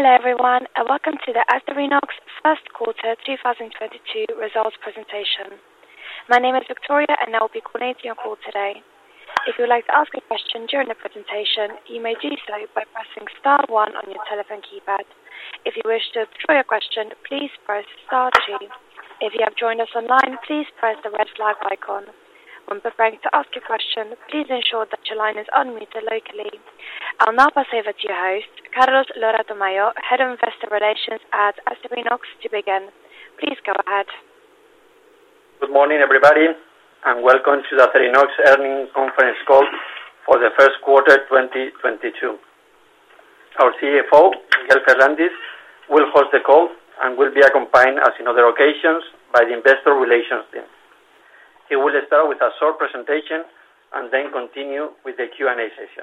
Hello everyone, and welcome to the Acerinox Q1 2022 results presentation. My name is Victoria and I will be coordinating your call today. If you would like to ask a question during the presentation, you may do so by pressing star one on your telephone keypad. If you wish to withdraw your question, please press star two. If you have joined us online, please press the red flag icon. When preparing to ask a question, please ensure that your line is unmuted locally. I'll now pass over to your host, Carlos Lora-Tamayo, Head of Investor Relations at Acerinox to begin. Please go ahead. Good morning, everybody, and welcome to the Acerinox Earnings Conference Call for the Q1 2022. Our CFO, Miguel Ferrandis Torres, will host the call and will be accompanied, as in other occasions, by the investor relations team. He will start with a short presentation and then continue with the Q&A session.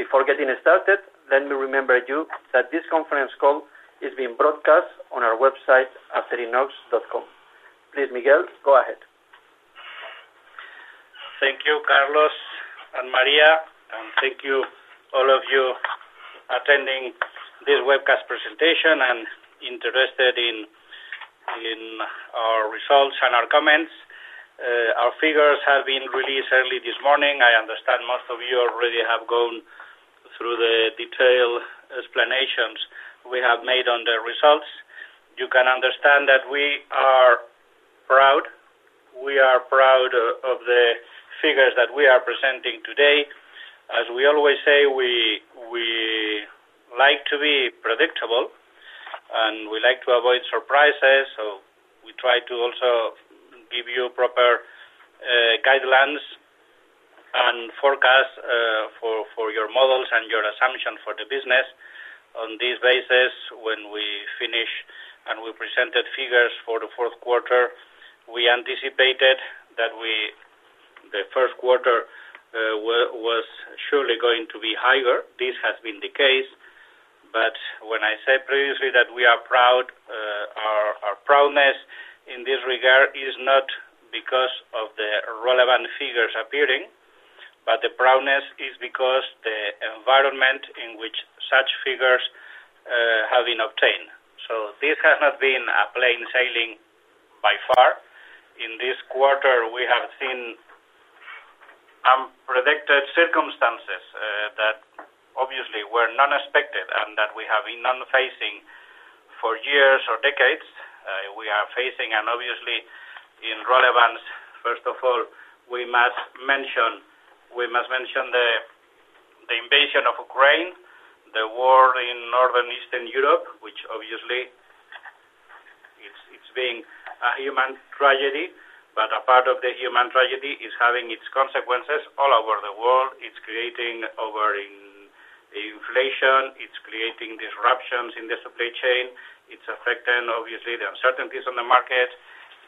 Before getting started, let me remind you that this conference call is being broadcast on our website, Acerinox.com. Please, Miguel, go ahead. Thank you, Carlos and Maria, and thank you all of you attending this webcast presentation and interested in our results and our comments. Our figures have been released early this morning. I understand most of you already have gone through the detailed explanations we have made on the results. You can understand that we are proud. We are proud of the figures that we are presenting today. As we always say, we like to be predictable and we like to avoid surprises, so we try to also give you proper guidelines and forecast for your models and your assumption for the business. On this basis, when we finish and we presented figures for the Q4, we anticipated that the Q1 was surely going to be higher. This has been the case. When I said previously that we are proud, our proudness in this regard is not because of the relevant figures appearing, but the proudness is because the environment in which such figures have been obtained. This has not been a plain sailing by far. In this quarter, we have seen unpredicted circumstances that obviously were not expected and that we have been not facing for years or decades. We are facing and obviously in relevance, first of all, we must mention the invasion of Ukraine, the war in Northeastern Europe, which obviously it's been a human tragedy, but a part of the human tragedy is having its consequences all over the world. It's creating overinflation, it's creating disruptions in the supply chain. It's affecting obviously the uncertainties on the market.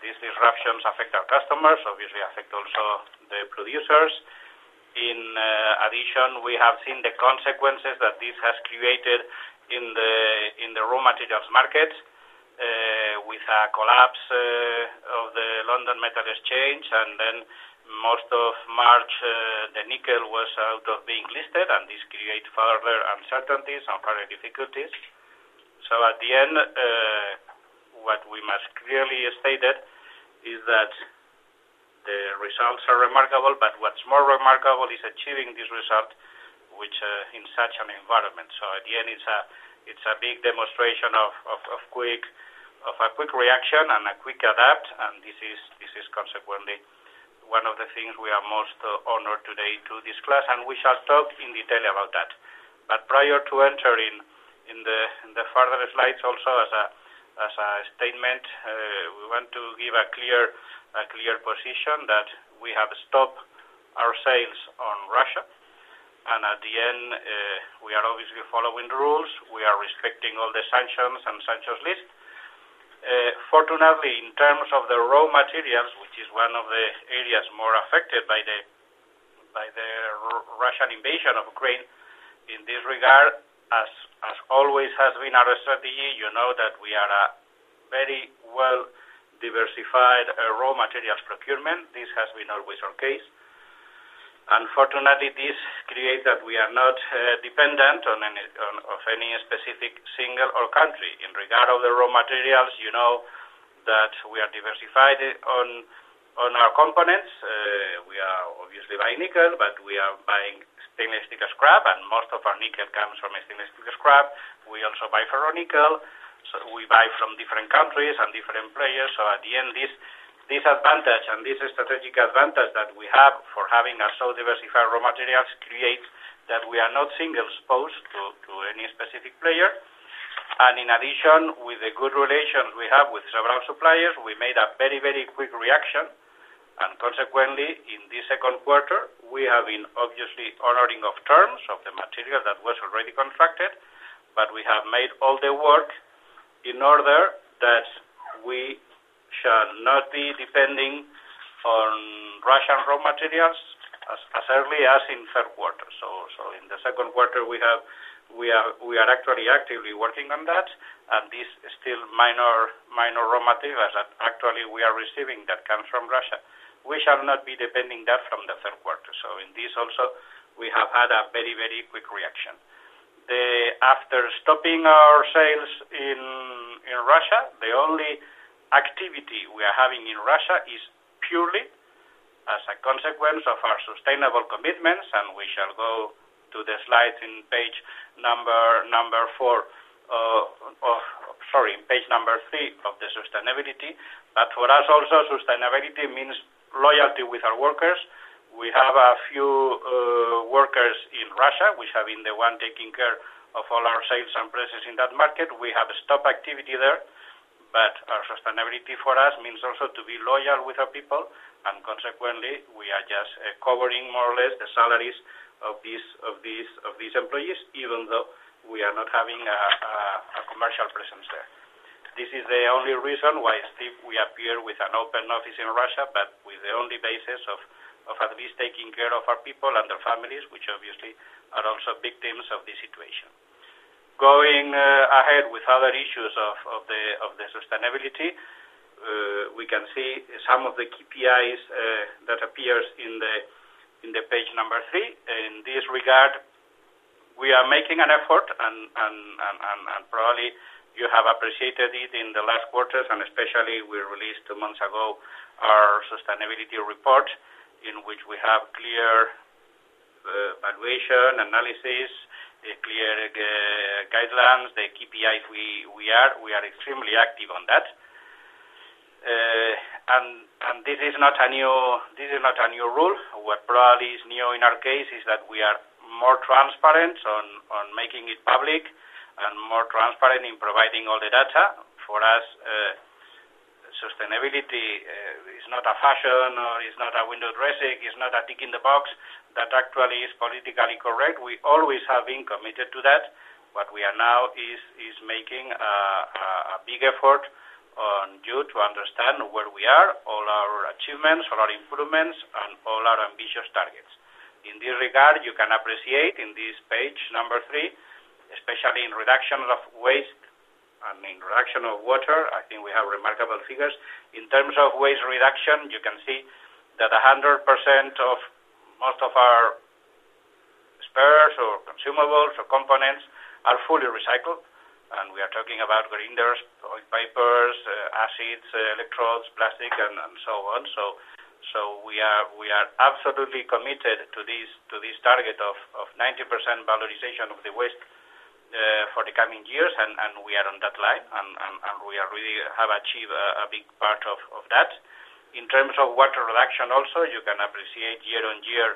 These disruptions affect our customers, obviously affect also the producers. In addition, we have seen the consequences that this has created in the raw materials market with a collapse of the London Metal Exchange. Most of March, the nickel was out of being listed, and this create further uncertainties and further difficulties. At the end, what we must clearly state it is that the results are remarkable, but what's more remarkable is achieving this result which in such an environment. At the end, it's a big demonstration of a quick reaction and a quick adapt, and this is consequently one of the things we are most honored today to discuss, and we shall talk in detail about that. Prior to entering in the further slides, also as a statement, we want to give a clear position that we have stopped our sales on Russia. At the end, we are obviously following the rules. We are respecting all the sanctions and sanctions list. Fortunately, in terms of the raw materials, which is one of the areas more affected by the Russian invasion of Ukraine, in this regard, as always has been our strategy, you know that we are a very well-diversified raw materials procurement. This has been always our case. Fortunately, this create that we are not dependent on any specific single or country. In regard of the raw materials, you know that we are diversified on our components. We are obviously buying nickel, but we are buying stainless steel scrap, and most of our nickel comes from a stainless steel scrap. We also buy ferronickel. We buy from different countries and different players. At the end, this advantage and this strategic advantage that we have for having such a diversified raw materials creates that we are not singly exposed to any specific player. In addition, with the good relations we have with several suppliers, we made a very, very quick reaction. Consequently, in this Q2, we have been obviously honoring the terms of the material that was already contracted, but we have made all the work in order that we shall not be depending on Russian raw materials as early as the third quarter. In the Q2, we are actually actively working on that. This still minor raw materials that we are receiving that comes from Russia. We shall not be depending on that from the third quarter. In this also, we have had a very quick reaction. After stopping our sales in Russia, the only activity we are having in Russia is purely as a consequence of our sustainable commitments, and we shall go to the slide in page number three of the sustainability. For us also, sustainability means loyalty with our workers. We have a few workers in Russia which have been the one taking care of all our sales and presence in that market. We have stopped activity there, but our sustainability for us means also to be loyal with our people. Consequently, we are just covering more or less the salaries of these employees, even though we are not having a commercial presence there. This is the only reason why still we appear with an open office in Russia, but with the only basis of at least taking care of our people and their families, which obviously are also victims of this situation. Going ahead with other issues of the sustainability, we can see some of the KPIs that appears in the page number three. In this regard, we are making an effort and probably you have appreciated it in the last quarters, and especially we released two months ago our sustainability report, in which we have clear valuation analysis, the clear guidelines, the KPIs we are. We are extremely active on that. This is not a new rule. What probably is new in our case is that we are more transparent on making it public and more transparent in providing all the data. For us, sustainability is not a fashion or is not a window dressing, is not a tick in the box that actually is politically correct. We always have been committed to that. What we are now is making a big effort for you to understand where we are, all our achievements, all our improvements, and all our ambitious targets. In this regard, you can appreciate on this page number three, especially in reduction of waste and in reduction of water. I think we have remarkable figures. In terms of waste reduction, you can see that 100% of most of our spares or consumables or components are fully recycled, and we are talking about grinders, oil wipers, acids, electrodes, plastic and so on. We are absolutely committed to this target of 90% valorization of the waste for the coming years, and we are on that line and we really have achieved a big part of that. In terms of water reduction also, you can appreciate year-on-year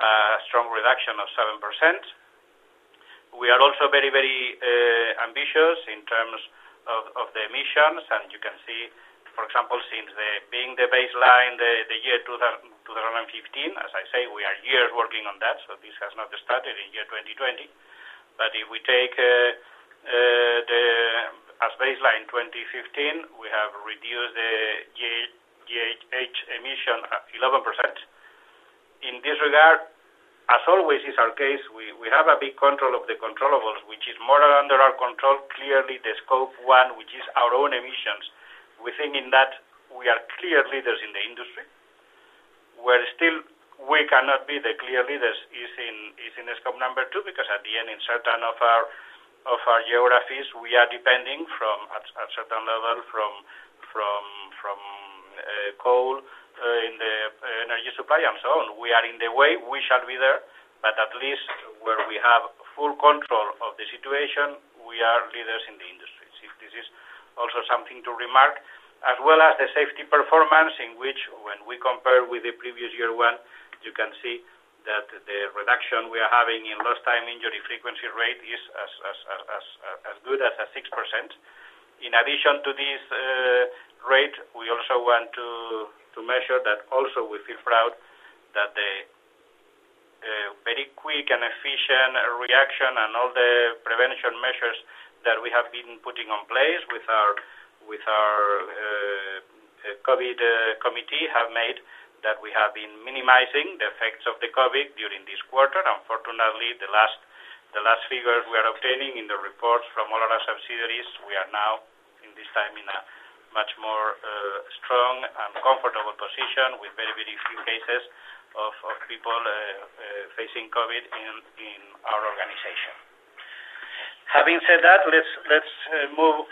a strong reduction of 7%. We are also very ambitious in terms of the emissions. You can see, for example, since being the baseline, the year 2015, as I say, we are years working on that, so this has not started in year 2020. If we take as baseline 2015, we have reduced the GHG emission at 11%. In this regard, as always is the case, we have a big control of the controllables, which is more under our control, clearly the Scope one, which is our own emissions. We think that we are clear leaders in the industry, where still we cannot be the clear leaders is in the Scope two, because at the end in certain of our geographies, we are depending on at certain level from coal in the energy supply and so on. We are on the way, we shall be there, but at least where we have full control of the situation, we are leaders in the industry. This is also something to remark. As well as the safety performance in which when we compare with the previous year one, you can see that the reduction we are having in lost time injury frequency rate is as good as 6%. In addition to this rate, we also want to measure that also we feel proud that the very quick and efficient reaction and all the prevention measures that we have been putting in place with our COVID committee have made that we have been minimizing the effects of the COVID during this quarter. Fortunately, the last figures we are obtaining in the reports from all our subsidiaries, we are now in this time in a much more strong and comfortable position with very few cases of people facing COVID in our organization. Having said that, let's move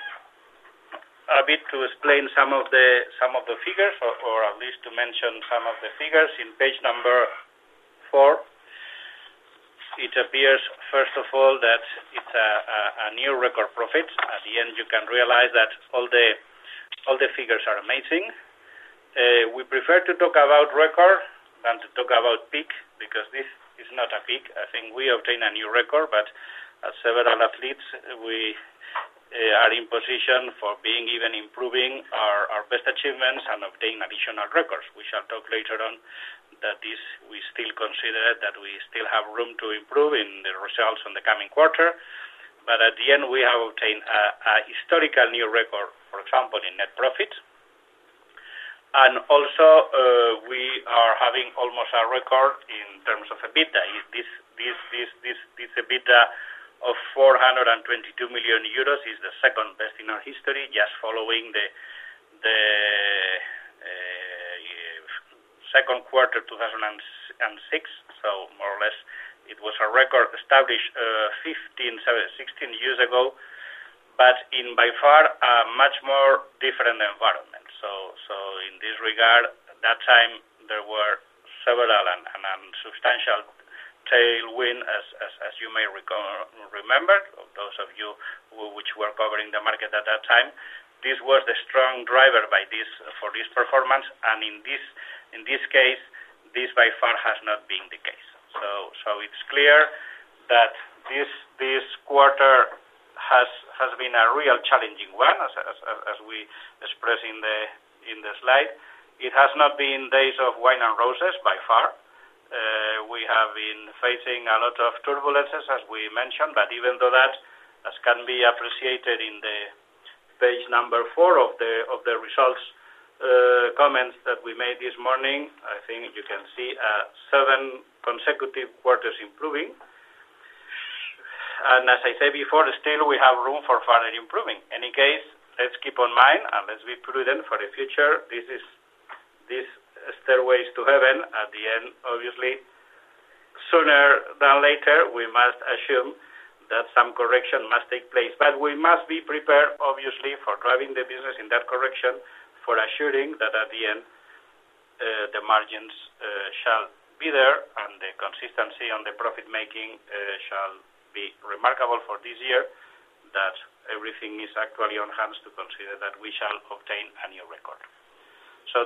a bit to explain some of the figures or at least to mention some of the figures. In page number four, it appears first of all that it's a new record profit. At the end, you can realize that all the figures are amazing. We prefer to talk about record than to talk about peak, because this is not a peak. I think we obtain a new record, but as several athletes, we are in position for being even improving our best achievements and obtaining additional records. We shall talk later on that this, we still consider that we still have room to improve in the results in the coming quarter. At the end, we have obtained a historical new record, for example, in net profit. We are having almost a record in terms of EBITDA. If this EBITDA of 422 million euros is the second best in our history, just following the Q2 2006. More or less, it was a record established sixteen years ago, but in by far a much more different environment. In this regard, that time there were several and substantial tailwind as you may remember, those of you who were covering the market at that time. This was the strong driver for this performance. In this case, this by far has not been the case. It's clear that this quarter has been a real challenging one as we express in the slide. It has not been days of wine and roses by far. We have been facing a lot of turbulences as we mentioned. Even though that, as can be appreciated in the page number four of the results, comments that we made this morning, I think you can see seven consecutive quarters improving. As I said before, still we have room for further improving. In any case, let's keep in mind and let's be prudent for the future. This stairway to heaven at the end, obviously, sooner or later, we must assume that some correction must take place. We must be prepared, obviously, for driving the business in that correction, for assuring that at the end, the margins shall be there and the consistency on the profit-making shall be remarkable for this year, that everything is actually on hand to consider that we shall obtain a new record.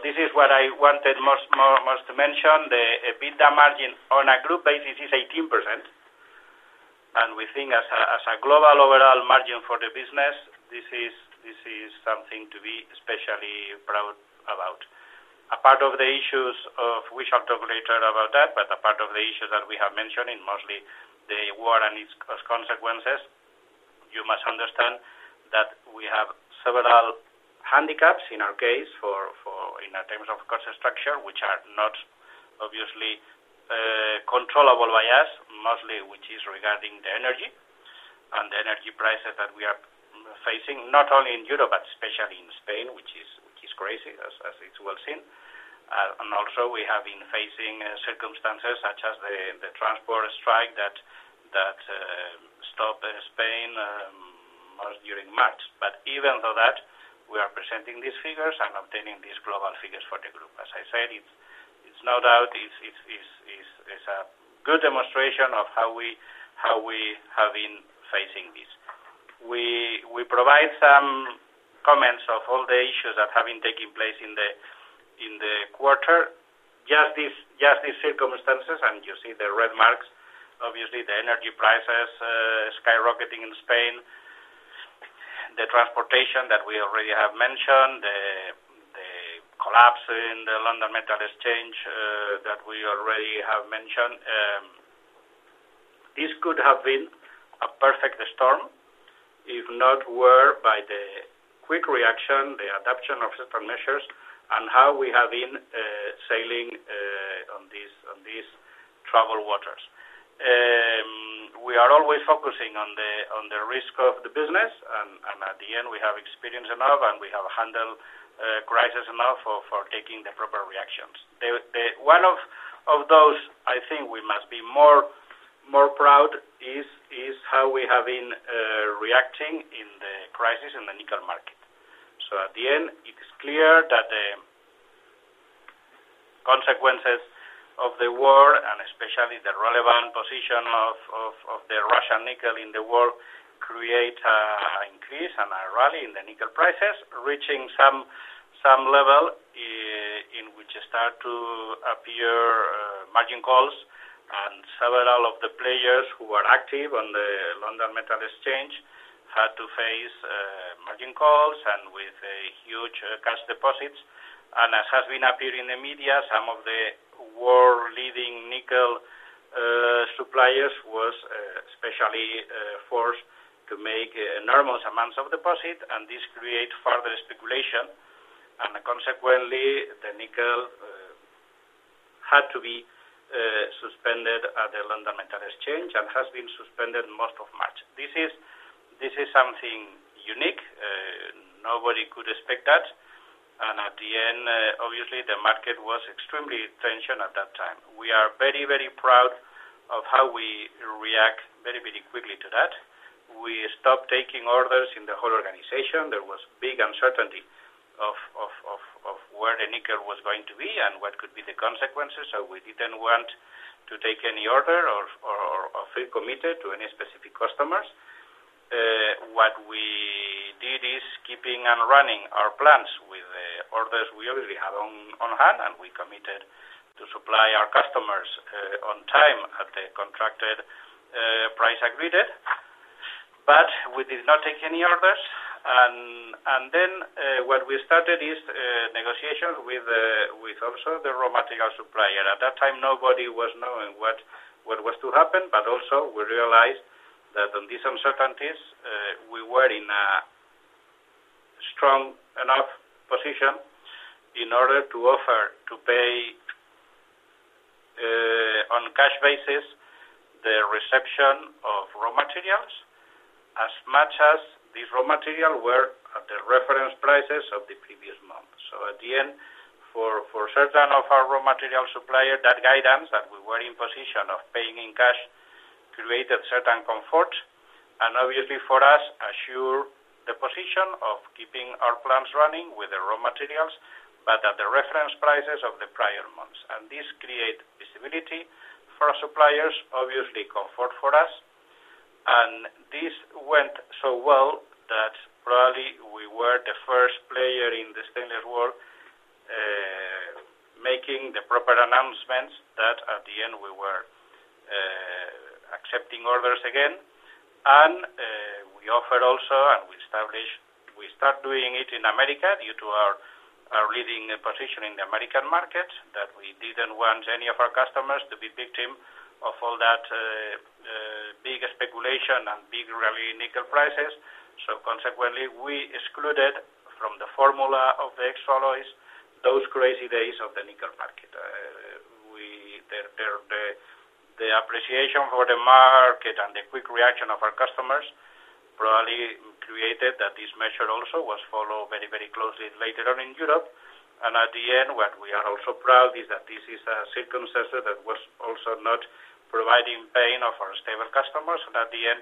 This is what I wanted most to mention. The EBITDA margin on a group basis is 18%. We think, as a global overall margin for the business, this is something to be especially proud about. We shall talk later about that, but a part of the issues that we have mentioned in mostly the war and its consequences. You must understand that we have several handicaps in our case for in terms of cost structure, which are not obviously controllable by us, mostly which is regarding the energy and the energy prices that we are facing, not only in Europe, but especially in Spain, which is crazy as it's well seen. And also we have been facing circumstances such as the transport strike that stopped Spain most during March. Even though that, we are presenting these figures and obtaining these global figures for the group. As I said, it's no doubt a good demonstration of how we have been facing this. We provide some comments of all the issues that have been taking place in the quarter, just these circumstances, and you see the red marks, obviously the energy prices skyrocketing in Spain, the transportation that we already have mentioned, the collapse in the London Metal Exchange that we already have mentioned. This could have been a perfect storm if not for the quick reaction, the adaptation of certain measures and how we have been sailing on these troubled waters. We are always focusing on the risk of the business and at the end, we have experience enough and we have handled crisis enough for taking the proper reactions. One of those I think we must be more proud is how we have been reacting in the crisis in the nickel market. At the end, it is clear that the consequences of the war, and especially the relevant position of the Russian nickel in the world create an increase and a rally in the nickel prices, reaching some level in which start to appear margin calls, and several of the players who are active on the London Metal Exchange had to face margin calls and with huge cash deposits. As has been appeared in the media, some of the world-leading nickel suppliers was especially forced to make enormous amounts of deposit, and this create further speculation. Consequently, the nickel had to be suspended at the London Metal Exchange and has been suspended most of March. This is something unique. Nobody could expect that. At the end, obviously, the market was extremely tensioned at that time. We are very proud of how we react very quickly to that. We stopped taking orders in the whole organization. There was big uncertainty of where the nickel was going to be and what could be the consequences. We didn't want to take any order or feel committed to any specific customers. What we did is keeping and running our plans with the orders we already had on hand, and we committed to supply our customers on time at the contracted price agreed. We did not take any orders. What we started is negotiations with also the raw material supplier. At that time, nobody was knowing what was to happen, but also we realized that on these uncertainties we were in a position in order to offer to pay on cash basis the reception of raw materials as much as these raw materials were at the reference prices of the previous month. At the end, for certain of our raw material suppliers, that guidance that we were in position of paying in cash created certain comfort, and obviously for us, assured the position of keeping our plants running with the raw materials, but at the reference prices of the prior months. This created visibility for our suppliers, obviously comfort for us. This went so well that probably we were the first player in the stainless world, making the proper announcements that at the end we were accepting orders again. We offered also, and we established. We started doing it in America due to our leading position in the American market that we didn't want any of our customers to be victims of all that big speculation and big rally in nickel prices. Consequently, we excluded from the formula of the alloy surcharges those crazy days of the nickel market. The appreciation for the market and the quick reaction of our customers probably created that this measure also was followed very, very closely later on in Europe. In the end, what we are also proud is that this is a circumstance that was also not providing pain to our stable customers, and in the end,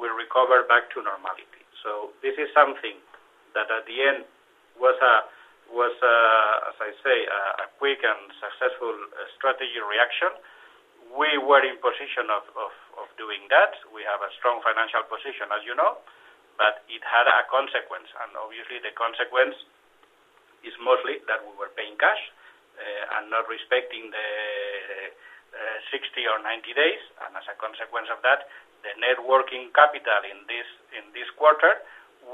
we recover back to normality. This is something that in the end was, as I say, a quick and successful strategy reaction. We were in a position to do that. We have a strong financial position, as you know, but it had a consequence. Obviously, the consequence is mostly that we were paying cash, and not respecting the 60 or 90 days. As a consequence of that, the net working capital in this quarter,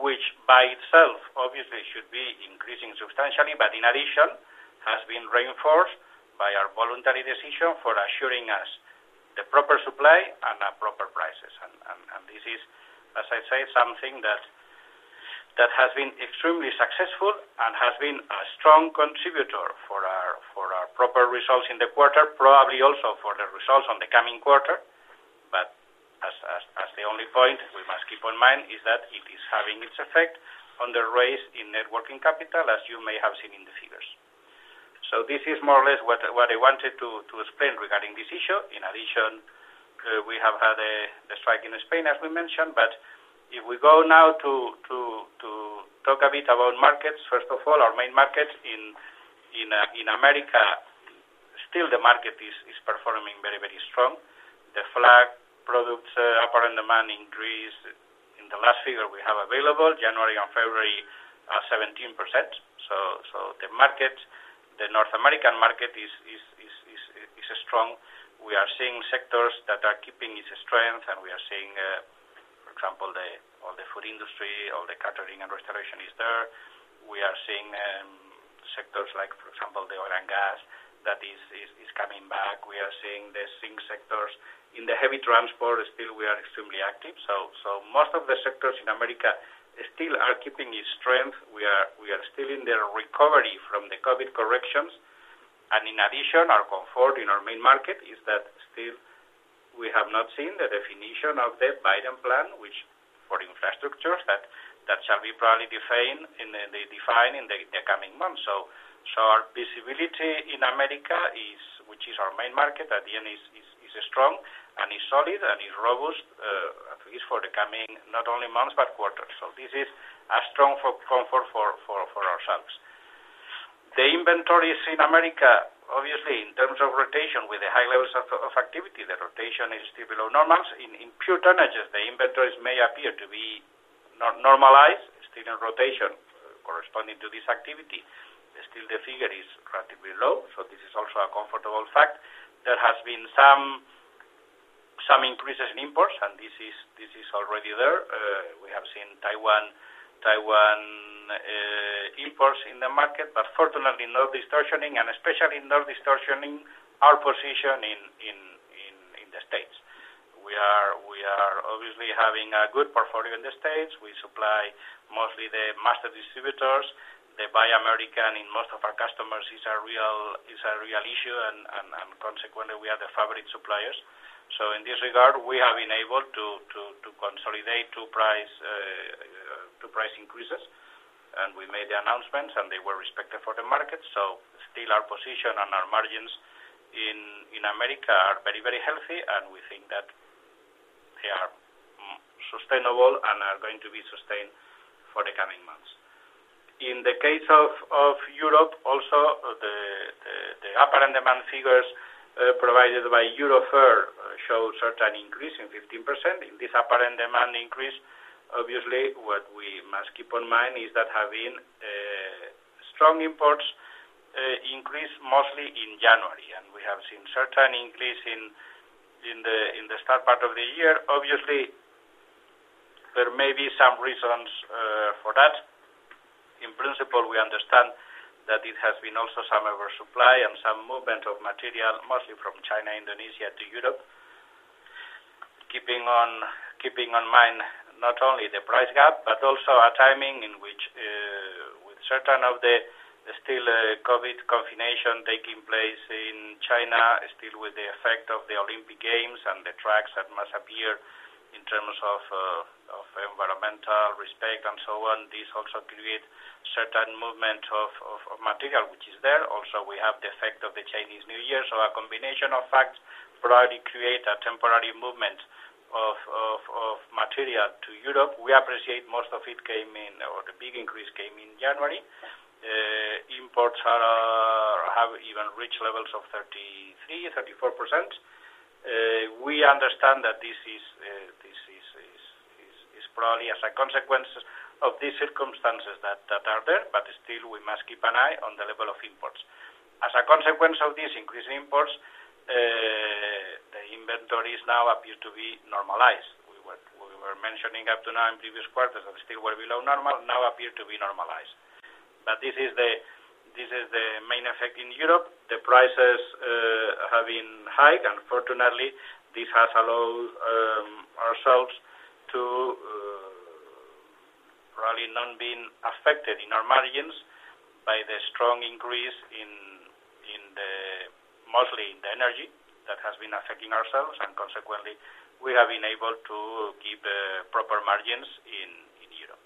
which by itself obviously should be increasing substantially, but in addition has been reinforced by our voluntary decision for assuring us the proper supply and at proper prices. This is, as I say, something that has been extremely successful and has been a strong contributor for our proper results in the quarter, probably also for the results on the coming quarter. The only point we must keep in mind is that it is having its effect on the rise in net working capital, as you may have seen in the figures. This is more or less what I wanted to explain regarding this issue. In addition, we have had the strike in Spain, as we mentioned. If we go now to talk a bit about markets, first of all, our main markets in America, still the market is performing very strong. The flat products apparent demand increase in the last figure we have available, January and February, 17%. The North American market is strong. We are seeing sectors that are keeping its strength, and we are seeing for example all the food industry, all the catering and restoration is there. We are seeing sectors like for example, the oil and gas that is coming back. We are seeing the zinc sectors. In the heavy transport still we are extremely active. Most of the sectors in America still are keeping its strength. We are still in the recovery from the COVID corrections. In addition, our comfort in our main market is that still we have not seen the definition of the Biden plan, which for infrastructure that shall be probably defined in the coming months. Our visibility in America, which is our main market in the end, is strong and is solid and is robust, at least for the coming not only months but quarters. This is a strong source of comfort for ourselves. The inventories in America, obviously, in terms of rotation with the high levels of activity, the rotation is still below normal. In pure tonnages, the inventories may appear to be not normalized, still in rotation, corresponding to this activity. Still the figure is relatively low, so this is also a comfortable fact. There has been some increases in imports, and this is already there. We have seen Taiwan imports in the market, but fortunately no distortion and especially no distortion in our position in the States. We are obviously having a good portfolio in the States. We supply mostly the master distributors. The Buy American in most of our customers is a real issue, and consequently, we are the favorite suppliers. In this regard, we have been able to consolidate the price increases. We made the announcements, and they were respected for the market. Still our position and our margins in America are very, very healthy, and we think that they are sustainable and are going to be sustained for the coming months. In the case of Europe also, the apparent demand figures provided by EUROFER show certain increase in 15%. In this apparent demand increase obviously what we must keep in mind is that having strong imports increase mostly in January, and we have seen certain increase in the start part of the year. Obviously, there may be some reasons for that. In principle, we understand that it has been also some oversupply and some movement of material, mostly from China, Indonesia to Europe. Keeping in mind not only the price gap, but also our timing in which with certain of the still COVID confinement taking place in China, still with the effect of the Olympic Games and the tax that must appear in terms of of environmental respect and so on, this also create certain movement of material, which is there. Also, we have the effect of the Chinese New Year. A combination of facts probably create a temporary movement of material to Europe. We appreciate most of it came in or the big increase came in January. Imports have even reached levels of 33%-34%. We understand that this is probably as a consequence of these circumstances that are there, but still we must keep an eye on the level of imports. As a consequence of these increased imports, the inventories now appear to be normalized. We were mentioning up to now in previous quarters that still were below normal, now appear to be normalized. This is the main effect in Europe. The prices have been high. Fortunately, this has allowed ourselves to probably not been affected in our margins by the strong increase in mostly the energy that has been affecting ourselves. Consequently, we have been able to keep proper margins in Europe.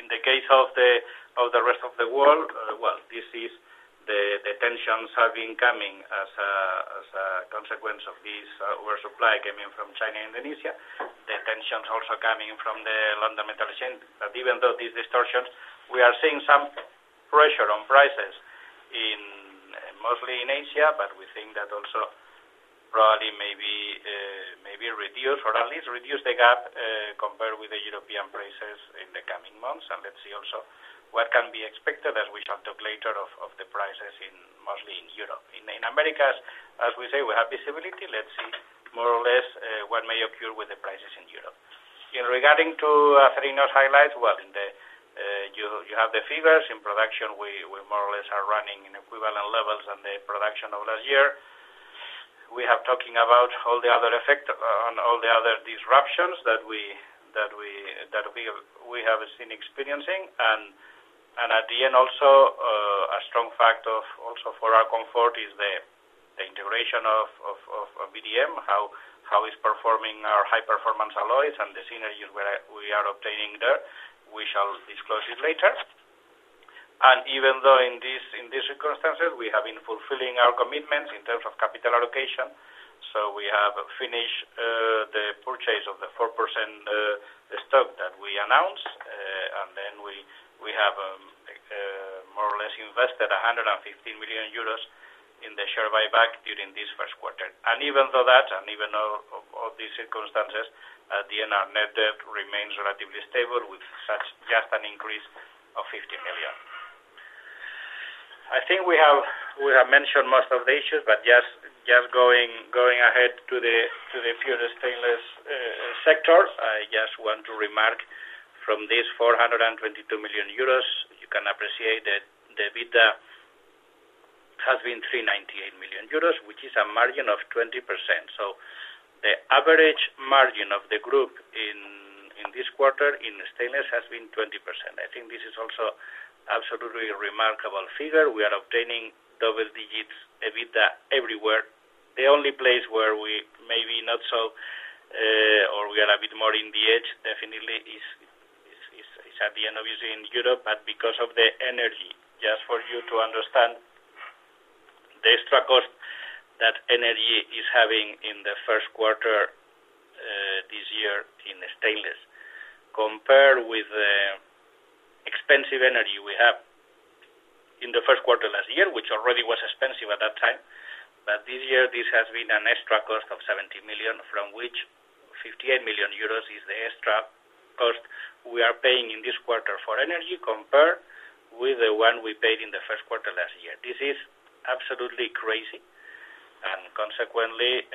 In the case of the rest of the world, the tensions have been coming as a consequence of this, where supply came in from China, Indonesia. The tensions also coming from the London Metal Exchange. But even though these distortions, we are seeing some pressure on prices mostly in Asia, but we think that also probably maybe reduce or at least reduce the gap compared with the European prices in the coming months. Let's see also what can be expected as we shall talk later of the prices mostly in Europe. In the Americas, as we say, we have visibility. Let's see more or less what may occur with the prices in Europe. In regard to financial highlights, in the you have the figures. In production, we more or less are running at equivalent levels to the production of last year. We have been talking about all the other effects on all the other disruptions that we have been experiencing. At the end also, a strong factor also for our comfort is the integration of VDM and how our High Performance Alloys is performing and the synergies we are obtaining there. We shall disclose it later. Even though in these circumstances, we have been fulfilling our commitments in terms of capital allocation. We have finished the purchase of the 4% stock that we announced. We more or less invested 150 million euros in the share buyback during this Q1. Even though of all these circumstances, at the end, our net debt remains relatively stable with just an increase of 50 million. I think we have mentioned most of the issues, but just going ahead to the pure stainless sector, I just want to remark from this 422 million euros, you can appreciate that the EBITDA has been 398 million euros, which is a margin of 20%. The average margin of the group in this quarter in stainless has been 20%. I think this is also absolutely remarkable figure. We are obtaining double digits EBITDA everywhere. The only place where we are a bit more on the edge definitely is at the end, obviously, in Europe, but because of the energy, just for you to understand the extra cost that energy is having in the Q1 this year in stainless compared with expensive energy we have in the Q1 last year, which already was expensive at that time. This year, this has been an extra cost of 70 million from which 58 million euros is the extra cost we are paying in this quarter for energy compared with the one we paid in the Q1 last year. This is absolutely crazy. Consequently,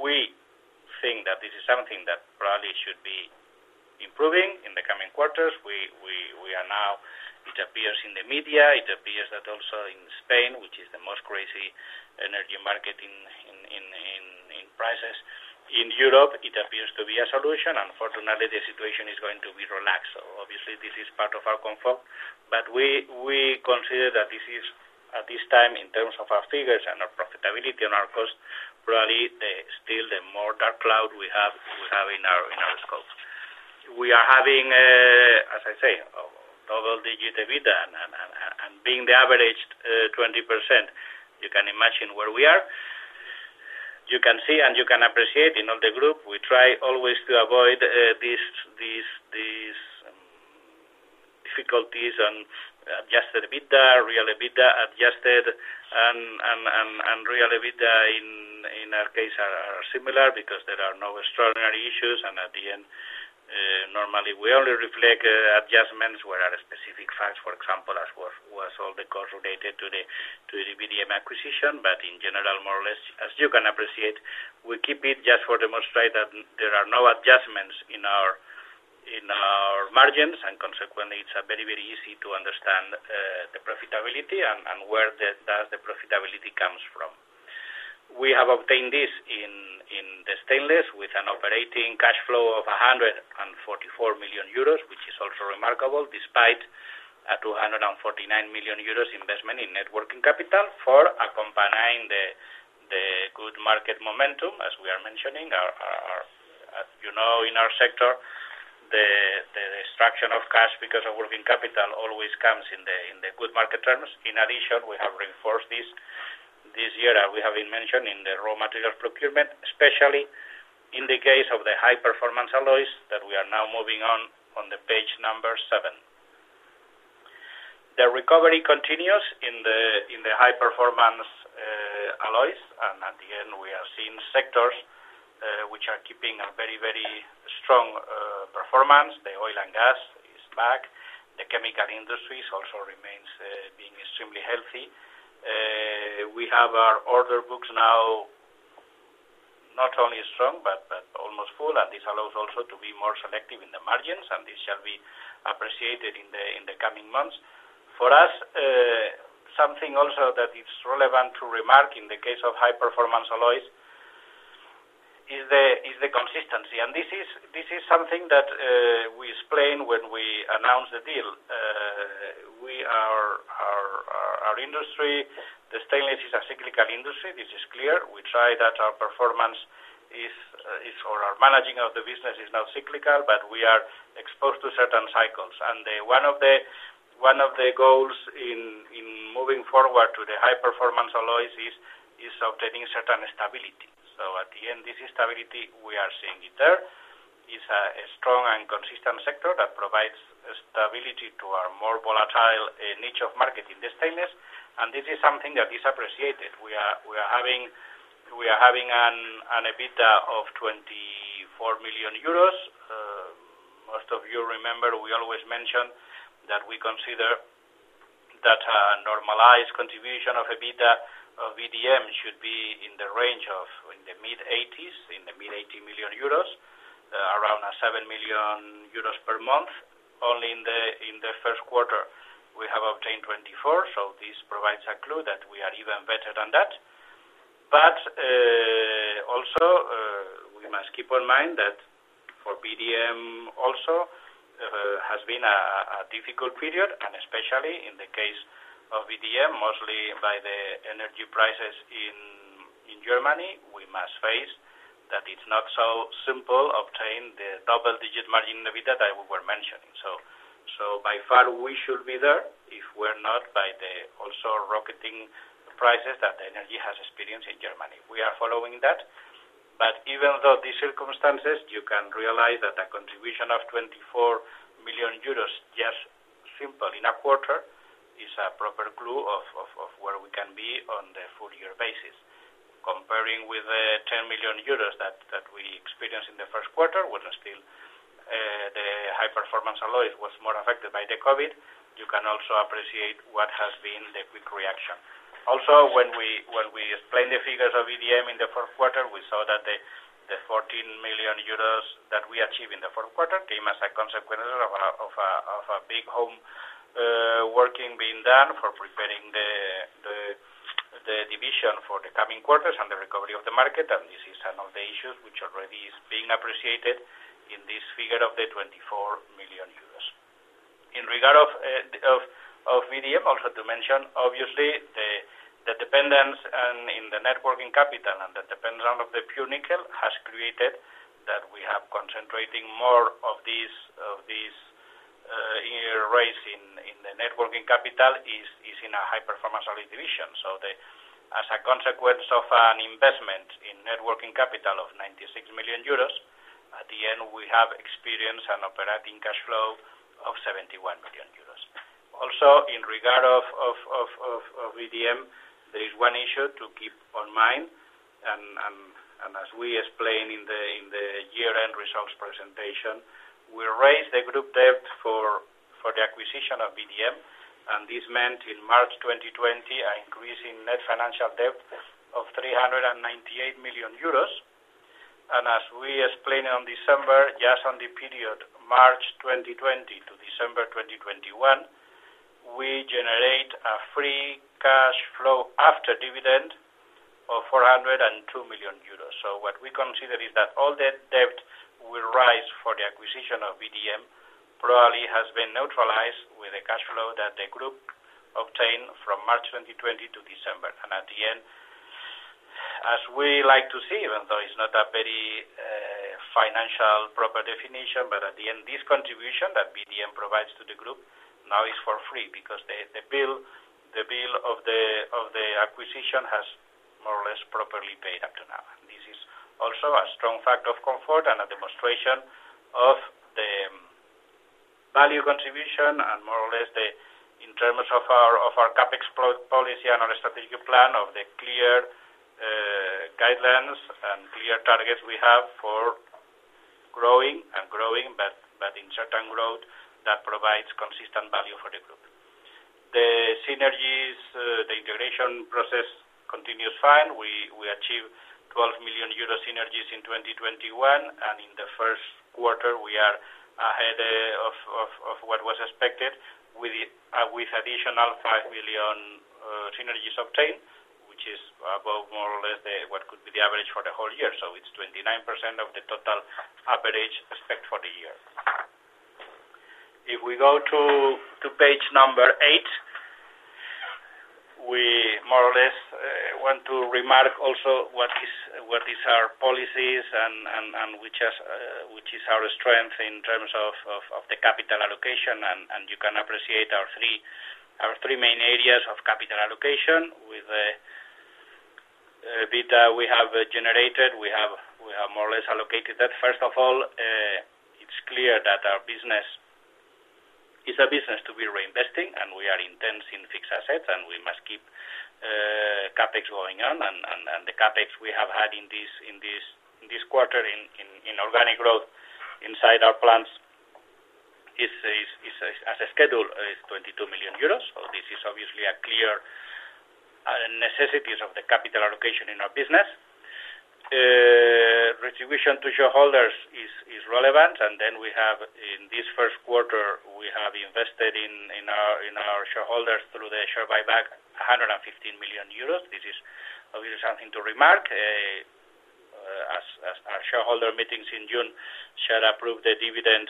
we think that this is something that probably should be improving in the coming quarters. We are now, it appears in the media that also in Spain, which is the most crazy energy market in prices in Europe, it appears to be a solution, and fortunately, the situation is going to be relaxed. Obviously this is part of our comfort. We consider that this is at this time in terms of our figures and our profitability and our cost, probably still the more dark cloud we have in our scope. We are having, as I say, double-digit EBITDA and being the average 20%, you can imagine where we are. You can see and you can appreciate in all the group, we try always to avoid these difficulties and adjusted EBITDA, real EBITDA adjusted and real EBITDA in our case are similar because there are no extraordinary issues. At the end, normally we only reflect adjustments where are specific facts, for example, as was all the cost related to the VDM acquisition. In general, more or less, as you can appreciate, we keep it just to demonstrate that there are no adjustments in our margins, and consequently, it's very easy to understand the profitability and where the profitability comes from. We have obtained this in the stainless with an operating cash flow of 144 million euros, which is also remarkable despite a 249 million euros investment in net working capital for accompanying the good market momentum as we are mentioning. In our sector, the extraction of cash because of working capital always comes in the good market terms. In addition, we have reinforced this year, we have mentioned in the raw material procurement, especially in the case of the High Performance Alloys that we are now moving on the page number seven. The recovery continues in the High Performance Alloys. At the end, we are seeing sectors which are keeping a very strong performance. The oil and gas is back. The chemical industries also remains being extremely healthy. We have our order books now not only strong, but almost full, and this allows also to be more selective in the margins, and this shall be appreciated in the coming months. For us, something also that is relevant to remark in the case of High Performance Alloys is the consistency. This is something that we explained when we announced the deal. Our industry, the stainless, is a cyclical industry. This is clear. We try that our performance is or our managing of the business is not cyclical, but we are exposed to certain cycles. The one of the goals in moving forward to the High Performance Alloys is obtaining certain stability. At the end, this stability, we are seeing it there. It's a strong and consistent sector that provides stability to our more volatile niche of market in the stainless, and this is something that is appreciated. We are having an EBITDA of 24 million euros. Most of you remember we always mention that we consider that normalized contribution of EBITDA of VDM should be in the range of the mid-80s, the mid-80 million euros, around 7 million euros per month. Only in the Q1, we have obtained 24, so this provides a clue that we are even better than that. We must keep in mind that for VDM also has been a difficult period and especially in the case of VDM, mostly by the energy prices in Germany, we must face that it's not so simple to obtain the double-digit margin EBITDA that we were mentioning. By far, we should be there if not for the also rocketing prices that the energy has experienced in Germany. We are following that. Even though these circumstances, you can realize that a contribution of 24 million euros just simply in a quarter is a proper clue of where we can be on the full year basis. Comparing with the 10 million euros that we experienced in the Q1 was still the High Performance Alloys was more affected by the COVID. You can also appreciate what has been the quick reaction. Also, when we explained the figures of VDM in the Q4, we saw that the fourteen million euros that we achieved in the Q4 came as a consequence of a big homework being done for preparing the division for the coming quarters and the recovery of the market. This is another issue which already is being appreciated in this figure of the twenty-four million euros. In regard of VDM, also to mention, obviously the dependence and in the net working capital and the dependence on the nickel has created that we have concentrating more of these rise in the net working capital is in a High Performance Alloys division. As a consequence of an investment in net working capital of 96 million euros, at the end, we have experienced an operating cash flow of 71 million euros. Also, in regard to VDM, there is one issue to keep in mind and as we explained in the year-end results presentation, we raised the group debt for the acquisition of VDM. This meant in March 2020, an increase in net financial debt of 398 million euros. As we explained on December, just on the period March 2020 to December 2021, we generate a free cash flow after dividend of 402 million euros. What we consider is that all the debt will rise for the acquisition of VDM probably has been neutralized with the cash flow that the group obtained from March 2020 to December. At the end, as we like to see, even though it's not a very financial proper definition, but at the end, this contribution that VDM provides to the group now is for free because the bill of the acquisition has more or less properly paid up to now. This is also a strong factor of comfort and a demonstration of the value contribution and more or less the, in terms of our CapEx policy and our strategic plan of the clear guidelines and clear targets we have for growing, but in certain growth that provides consistent value for the group. The synergies, the integration process continues fine. We achieved 12 million euro synergies in 2021, and in the Q1, we are ahead of what was expected with additional 5 million synergies obtained, which is above more or less what could be the average for the whole year. It's 29% of the total average expected for the year. If we go to page eight, we more or less want to remark also what is our policies and which is our strength in terms of the capital allocation. You can appreciate our three main areas of capital allocation with data we have generated, we have more or less allocated that. First of all, it's clear that our business is a business to be reinvesting, and we are intense in fixed assets, and we must keep CapEx going on. The CapEx we have had in this quarter in organic growth inside our plants is as scheduled, 22 million euros. This is obviously a clear necessities of the capital allocation in our business. Return to shareholders is relevant. Then we have in this Q1, we have invested in our shareholders through the share buyback, 115 million euros. This is obviously something to remark. As our shareholder meetings in June shall approve the dividend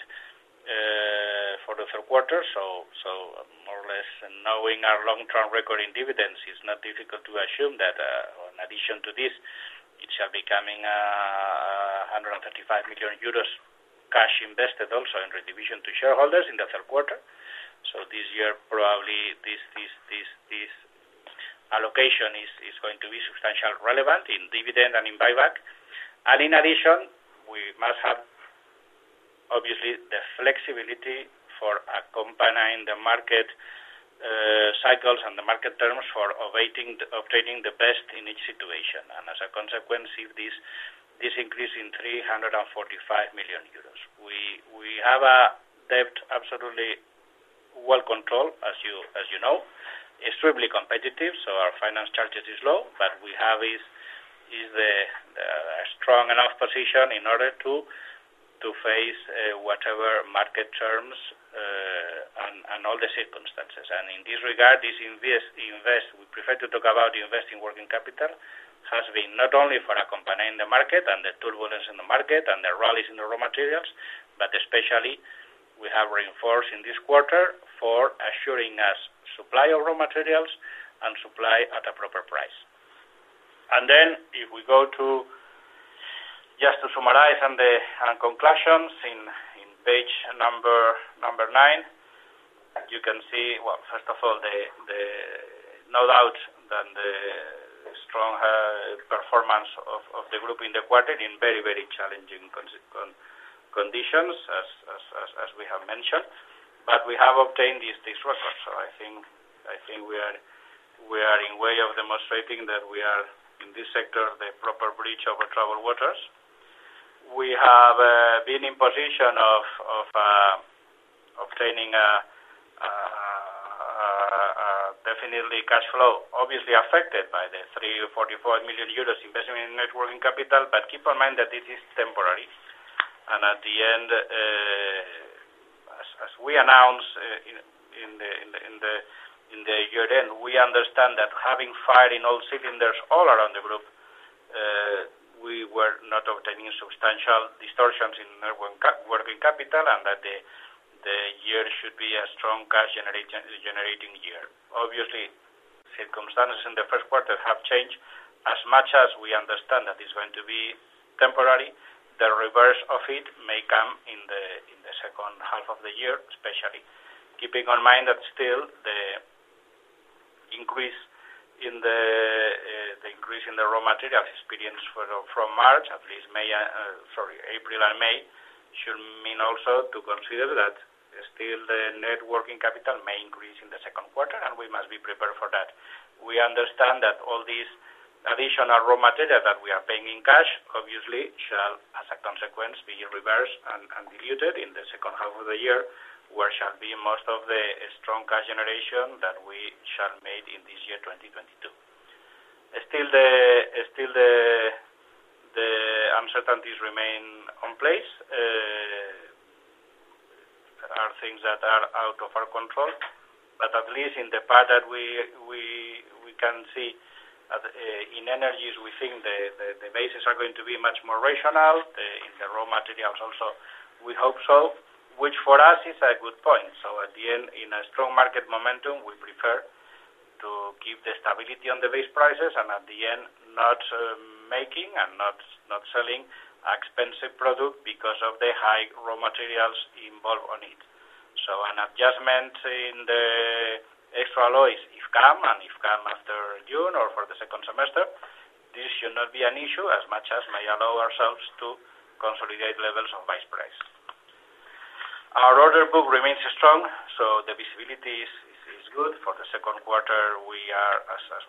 for the third quarter. More or less knowing our long-term record in dividends, it's not difficult to assume that in addition to this, it shall become 135 million euros cash invested also in return to shareholders in the Q3. This year, probably this allocation is going to be substantially relevant in dividend and in buyback. In addition, we must have, obviously, the flexibility for accompanying the market cycles and the market terms for obtaining the best in each situation. As a consequence, this increase in 345 million euros. We have a debt absolutely well controlled, as you know. It's truly competitive, so our finance charges is low. What we have is a strong enough position in order to face whatever market terms and all the circumstances. In this regard, this investment, we prefer to talk about investing working capital, has been not only for accompanying the market and the turbulence in the market and the rallies in the raw materials, but especially, we have reinforced in this quarter for assuring our supply of raw materials and supply at a proper price. Just to summarize on the conclusions in page number nine, you can see, well, first of all, there's no doubt that the strong performance of the group in the quarter in very, very challenging conditions as we have mentioned. We have obtained these results. I think we are on our way to demonstrating that we are, in this sector, the proper bridge over troubled waters. We have been in a position to obtain positive cash flow, obviously affected by the 344 million euros investment in net working capital. Keep in mind that it is temporary. At the end, as we announced in the year-end, we understand that having fire on all cylinders all around the group, we were not obtaining substantial distortions in net working capital, and that the year should be a strong cash generating year. Obviously, circumstances in the Q1 have changed. As much as we understand that it's going to be temporary, the reverse of it may come in the second half of the year, especially. Keeping in mind that still the increase in the raw material expenses from April and May should mean also to consider that still the net working capital may increase in the Q2, and we must be prepared for that. We understand that all these additional raw material that we are paying in cash, obviously, shall, as a consequence, be reversed and diluted in the second half of the year, where shall be most of the strong cash generation that we shall made in this year, 2022. Still, the uncertainties remain in place, are things that are out of our control. At least in the part that we can see in energy, we think the bases are going to be much more rational. In the raw materials also, we hope so, which for us is a good point. At the end, in a strong market momentum, we prefer to keep the stability on the base prices, and at the end, not making and not selling expensive product because of the high raw materials involved on it. An adjustment in the extra alloys, if come after June or for the second semester, this should not be an issue as much as may allow ourselves to consolidate levels of base price. Our order book remains strong, so the visibility is good for the Q2 we are, as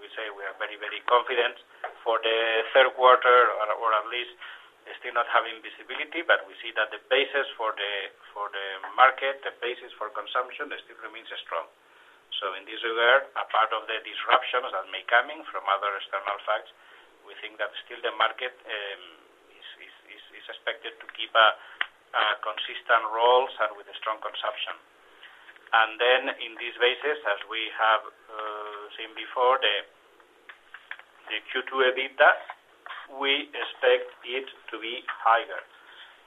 we say, we are very confident for the third quarter or at least still not having visibility, but we see that the basis for the market, the basis for consumption, it still remains strong. In this regard, a part of the disruptions that may be coming from other external factors, we think that still the market is expected to keep a consistent course and with a strong consumption. In this basis, as we have seen before, the Q2 EBITDA, we expect it to be higher.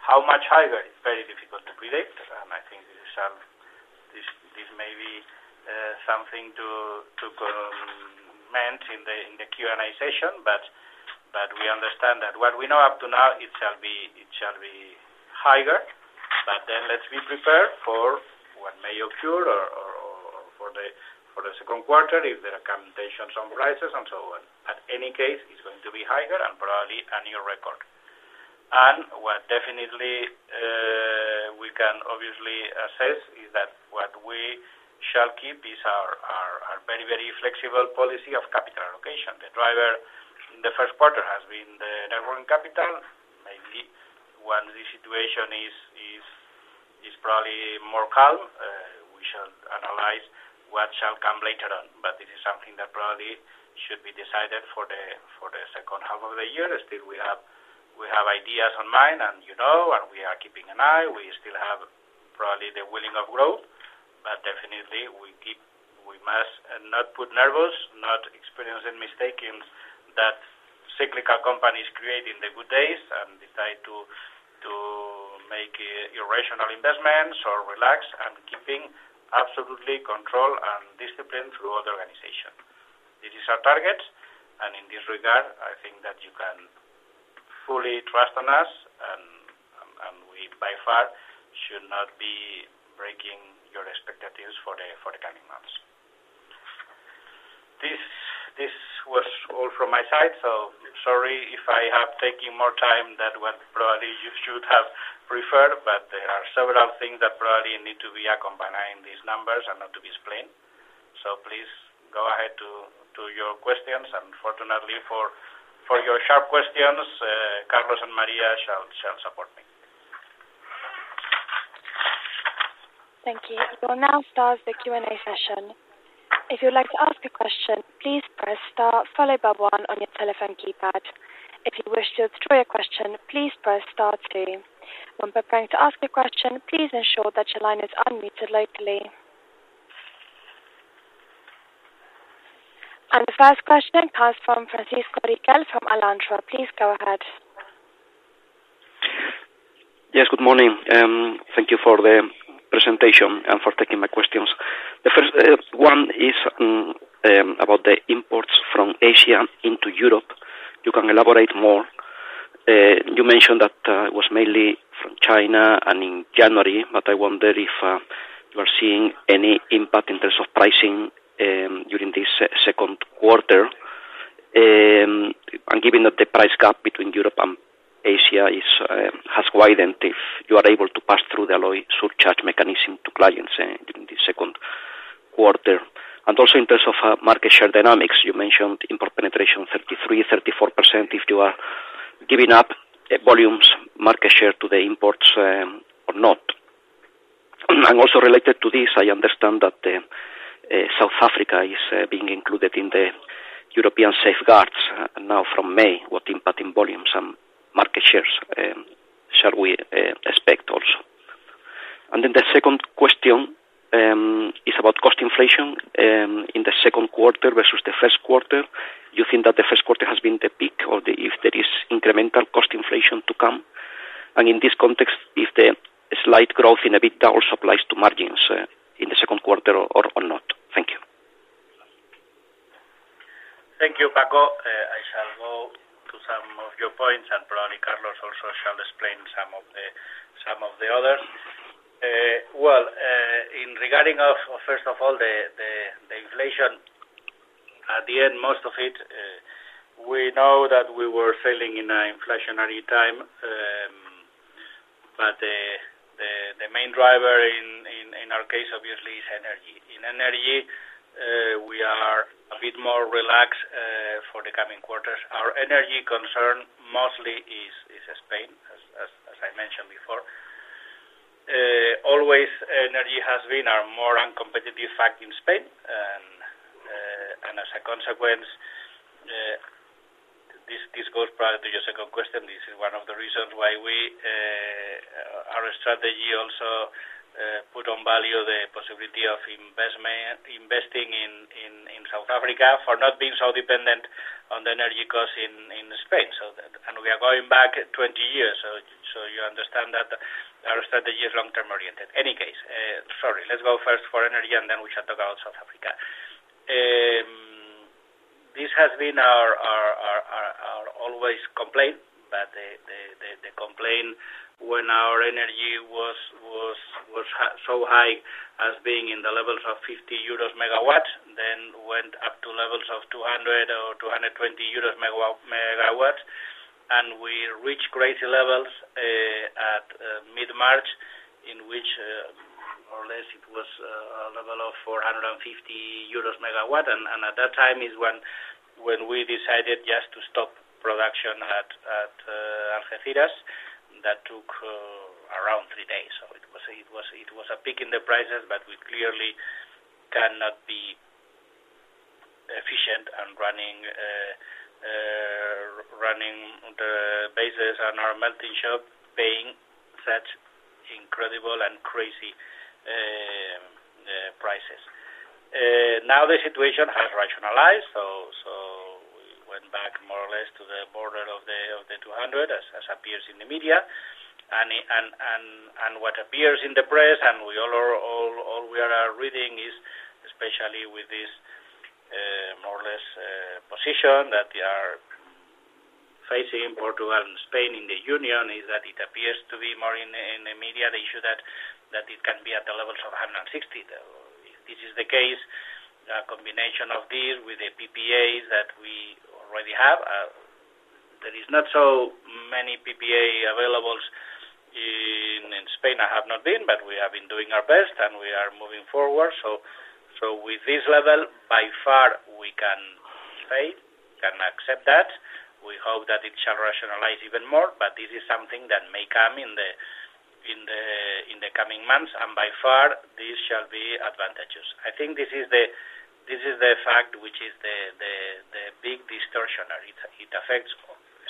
How much higher is very difficult to predict, and I think this may be something to comment in the Q&A session, but we understand that what we know up to now, it shall be higher. Let's be prepared for what may occur or for the Q2 if commodity prices rise and so on. At any rate, it's going to be higher and probably a new record. What definitely we can obviously assess is that what we shall keep is our very flexible policy of capital allocation. The driver in the Q1 has been the net working capital. Maybe when the situation is probably more calm, we shall analyze what shall come later on. It is something that probably should be decided for the second half of the year. Still we have ideas in mind and you know, and we are keeping an eye. We still have probably the will to grow, but definitely we must not get nervous, not experience the mistakes that cyclical companies create in the good days and decide to make irrational investments or relax, keeping absolute control and discipline through the organization. This is our target. In this regard, I think that you can fully trust on us and we by far should not be breaking your expectations for the coming months. This was all from my side, so sorry if I have taken more time than what probably you should have preferred, but there are several things that probably need to be accompanied in these numbers and not to be explained. Please go ahead to your questions. Fortunately for your sharp questions, Carlos Lora-Tamayo and Maria shall support me. Thank you. We'll now start the Q&A session. If you would like to ask a question, please press star followed by one on your telephone keypad. If you wish to withdraw your question, please press star two. When preparing to ask a question, please ensure that your line is unmuted locally. The first question comes from Francisco Riquel from Alantra. Please go ahead. Yes, good morning. Thank you for the presentation and for taking my questions. The first one is about the imports from Asia into Europe. You can elaborate more. You mentioned that it was mainly from China and in January, but I wonder if you are seeing any impact in terms of pricing during this Q2. And given that the price gap between Europe and Asia has widened, if you are able to pass through the alloy surcharge mechanism to clients during the Q2. And also in terms of market share dynamics, you mentioned import penetration 33%-34% if you are giving up volumes, market share to the imports, or not. And also related to this, I understand that South Africa is being included in the European safeguards now from May. What impact in volumes and market shares shall we expect also? Then the second question is about cost inflation in the Q2 versus the Q1. You think that the Q1 has been the peak or if there is incremental cost inflation to come? In this context, if the slight growth in EBITDA also applies to margins in the Q2 or not? Thank you. Thank you, Francisco. I shall go to some of your points, and probably Carlos also shall explain some of the others. Well, in regard to, first of all, the inflation at the end, most of it, we know that we were selling in an inflationary time. The main driver in our case obviously is energy. In energy, we are a bit more relaxed for the coming quarters. Our energy concern mostly is Spain, as I mentioned before. Always energy has been our more uncompetitive factor in Spain. As a consequence, this goes prior to your second question. This is one of the reasons why we, our strategy also puts value on the possibility of investing in South Africa for not being so dependent on the energy costs in Spain. We are going back 20 years. You understand that our strategy is long-term oriented. In any case, sorry, let's go first for energy, and then we shall talk about South Africa. This has been our longstanding complaint, but the complaint when our energy was so high as being in the levels of EUR 50MW, then went up to levels of 200 or 220 euros megawatts. We reached crazy levels at mid-March, in which more or less it was a level of 450 euros megawatt. At that time is when we decided just to stop production at ArcelorMittal. That took around three days. It was a peak in the prices, but we clearly cannot be efficient and running the business on our melting shop, paying such incredible and crazy prices. Now the situation has rationalized. We went back more or less to the border of the 200 as appears in the media. What appears in the press, what we all are reading is especially with this more or less position that they are facing Portugal and Spain in the union, is that it appears to be more in the media the issue that it can be at the levels of 160. Though if this is the case, the combination of this with the PPAs that we already have, there are not so many PPAs available in Spain. I have not been, but we have been doing our best, and we are moving forward. With this level, by far, we can say we can accept that. We hope that it shall rationalize even more, but this is something that may come in the coming months. By far, this shall be advantageous. I think this is the fact which is the big distortion, or it affects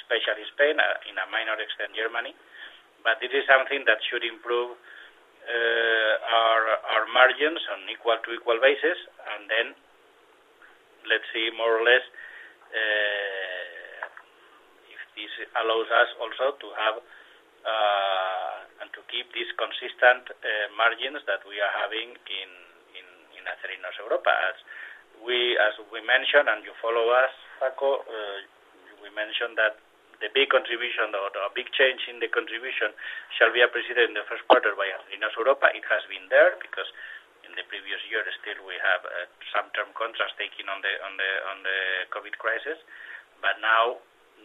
especially Spain, in a minor extent, Germany. This is something that should improve our margins on equal-to-equal basis. Then let's see more or less if this allows us also to have and to keep these consistent margins that we are having in Acerinox Europa. As we mentioned, and you follow us, Paco, we mentioned that the big contribution or the big change in the contribution shall be appreciated in the Q1 by Acerinox Europa. It has been there because in the previous year still we have some term contracts taking on the COVID crisis. Now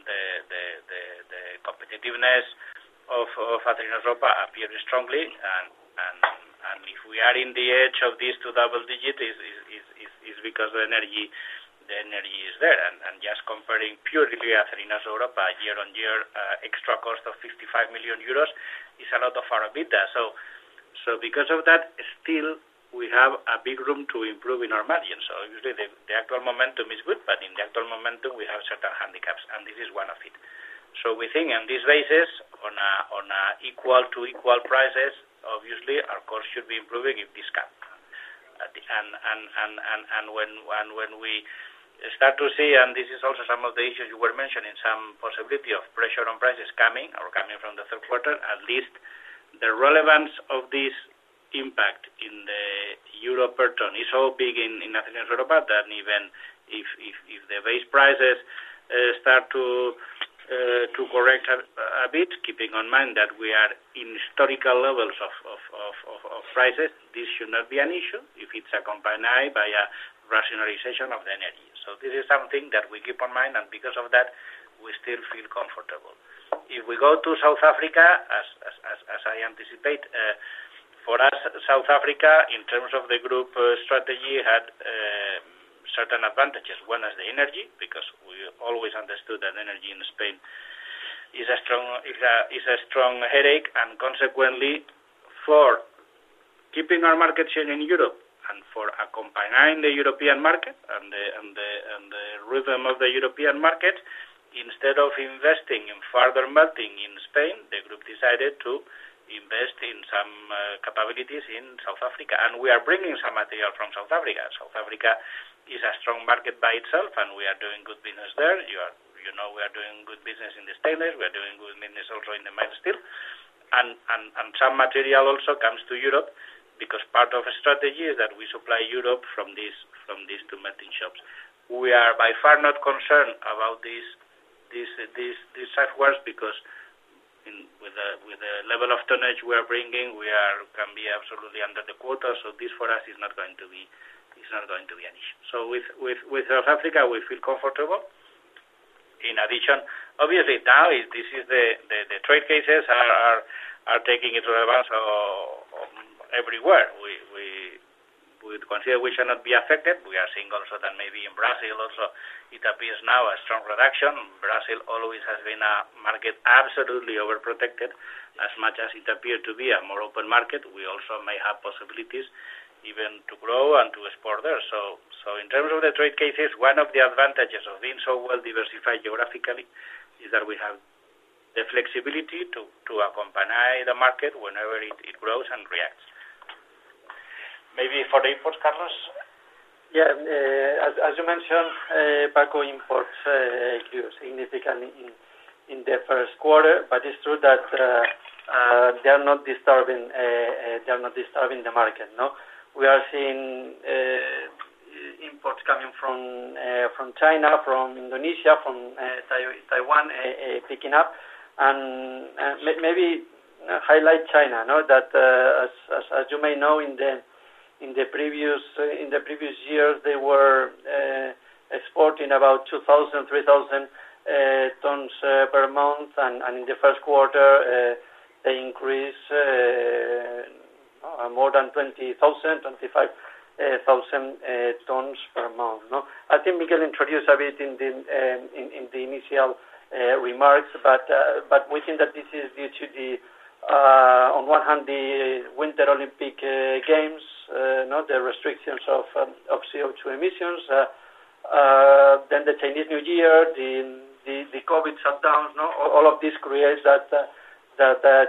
the competitiveness of Acerinox Europa appears strongly. If we are on the edge of these two double-digit is because the energy is there. Just comparing purely Acerinox Europa year-on-year, extra cost of 55 million euros is a lot of our EBITDA. Because of that, still we have a big room to improve in our margins. Usually the actual momentum is good, but in the actual momentum we have certain handicaps, and this is one of it. We think on these basis, on a equal-to-equal prices, obviously our costs should be improving if this cap at the. When we start to see, and this is also some of the issues you were mentioning, some possibility of pressure on prices coming from the third quarter, at least the relevance of this impact in the European return is so big in Acerinox Europa that even if the base prices start to correct a bit, keeping in mind that we are in historical levels of prices, this should not be an issue if it is accompanied by a rationalization of the energy. This is something that we keep in mind, and because of that, we still feel comfortable. If we go to South Africa as I anticipate, for us, South Africa, in terms of the group strategy, had certain advantages. One is the energy, because we always understood that energy in Spain is a strong headache. Consequently, for keeping our market share in Europe and for accompanying the European market and the rhythm of the European market, instead of investing in further melting in Spain, the group decided to invest in some capabilities in South Africa. We are bringing some material from South Africa. South Africa is a strong market by itself, and we are doing good business there. You know we are doing good business in the stainless, we are doing good business also in the mild steel. Some material also comes to Europe because part of the strategy is that we supply Europe from these two melting shops. We are by far not concerned about these safeguards because with the level of tonnage we are bringing, we can be absolutely under the quota. This for us is not going to be an issue. With South Africa, we feel comfortable. In addition, obviously now the trade cases are taking place in advance everywhere. We would consider we shall not be affected. We are seeing also that maybe in Brazil it appears now a strong reduction. Brazil always has been a market absolutely overprotected. As much as it appeared to be a more open market, we also may have possibilities even to grow and to export there. In terms of the trade cases, one of the advantages of being so well-diversified geographically is that we have the flexibility to accompany the market whenever it grows and reacts. Maybe for the imports, Carlos? Yeah. As you mentioned, Paco, imports grew significantly in the Q1, but it's true that they are not disturbing the market, no? We are seeing imports coming from China, from Indonesia, from Taiwan, picking up. Maybe highlight China, no? That, as you may know, in the- In the previous year, they were exporting about 2,000-3,000 tons per month. In the Q1, they increased more than 20,000-25,000 tons per month, no? I think Miguel introduced a bit in the initial remarks, but we think that this is due to, on one hand, the Winter Olympic Games, you know, the restrictions of CO2 emissions. Then the Chinese New Year, the COVID shutdown. All of this creates that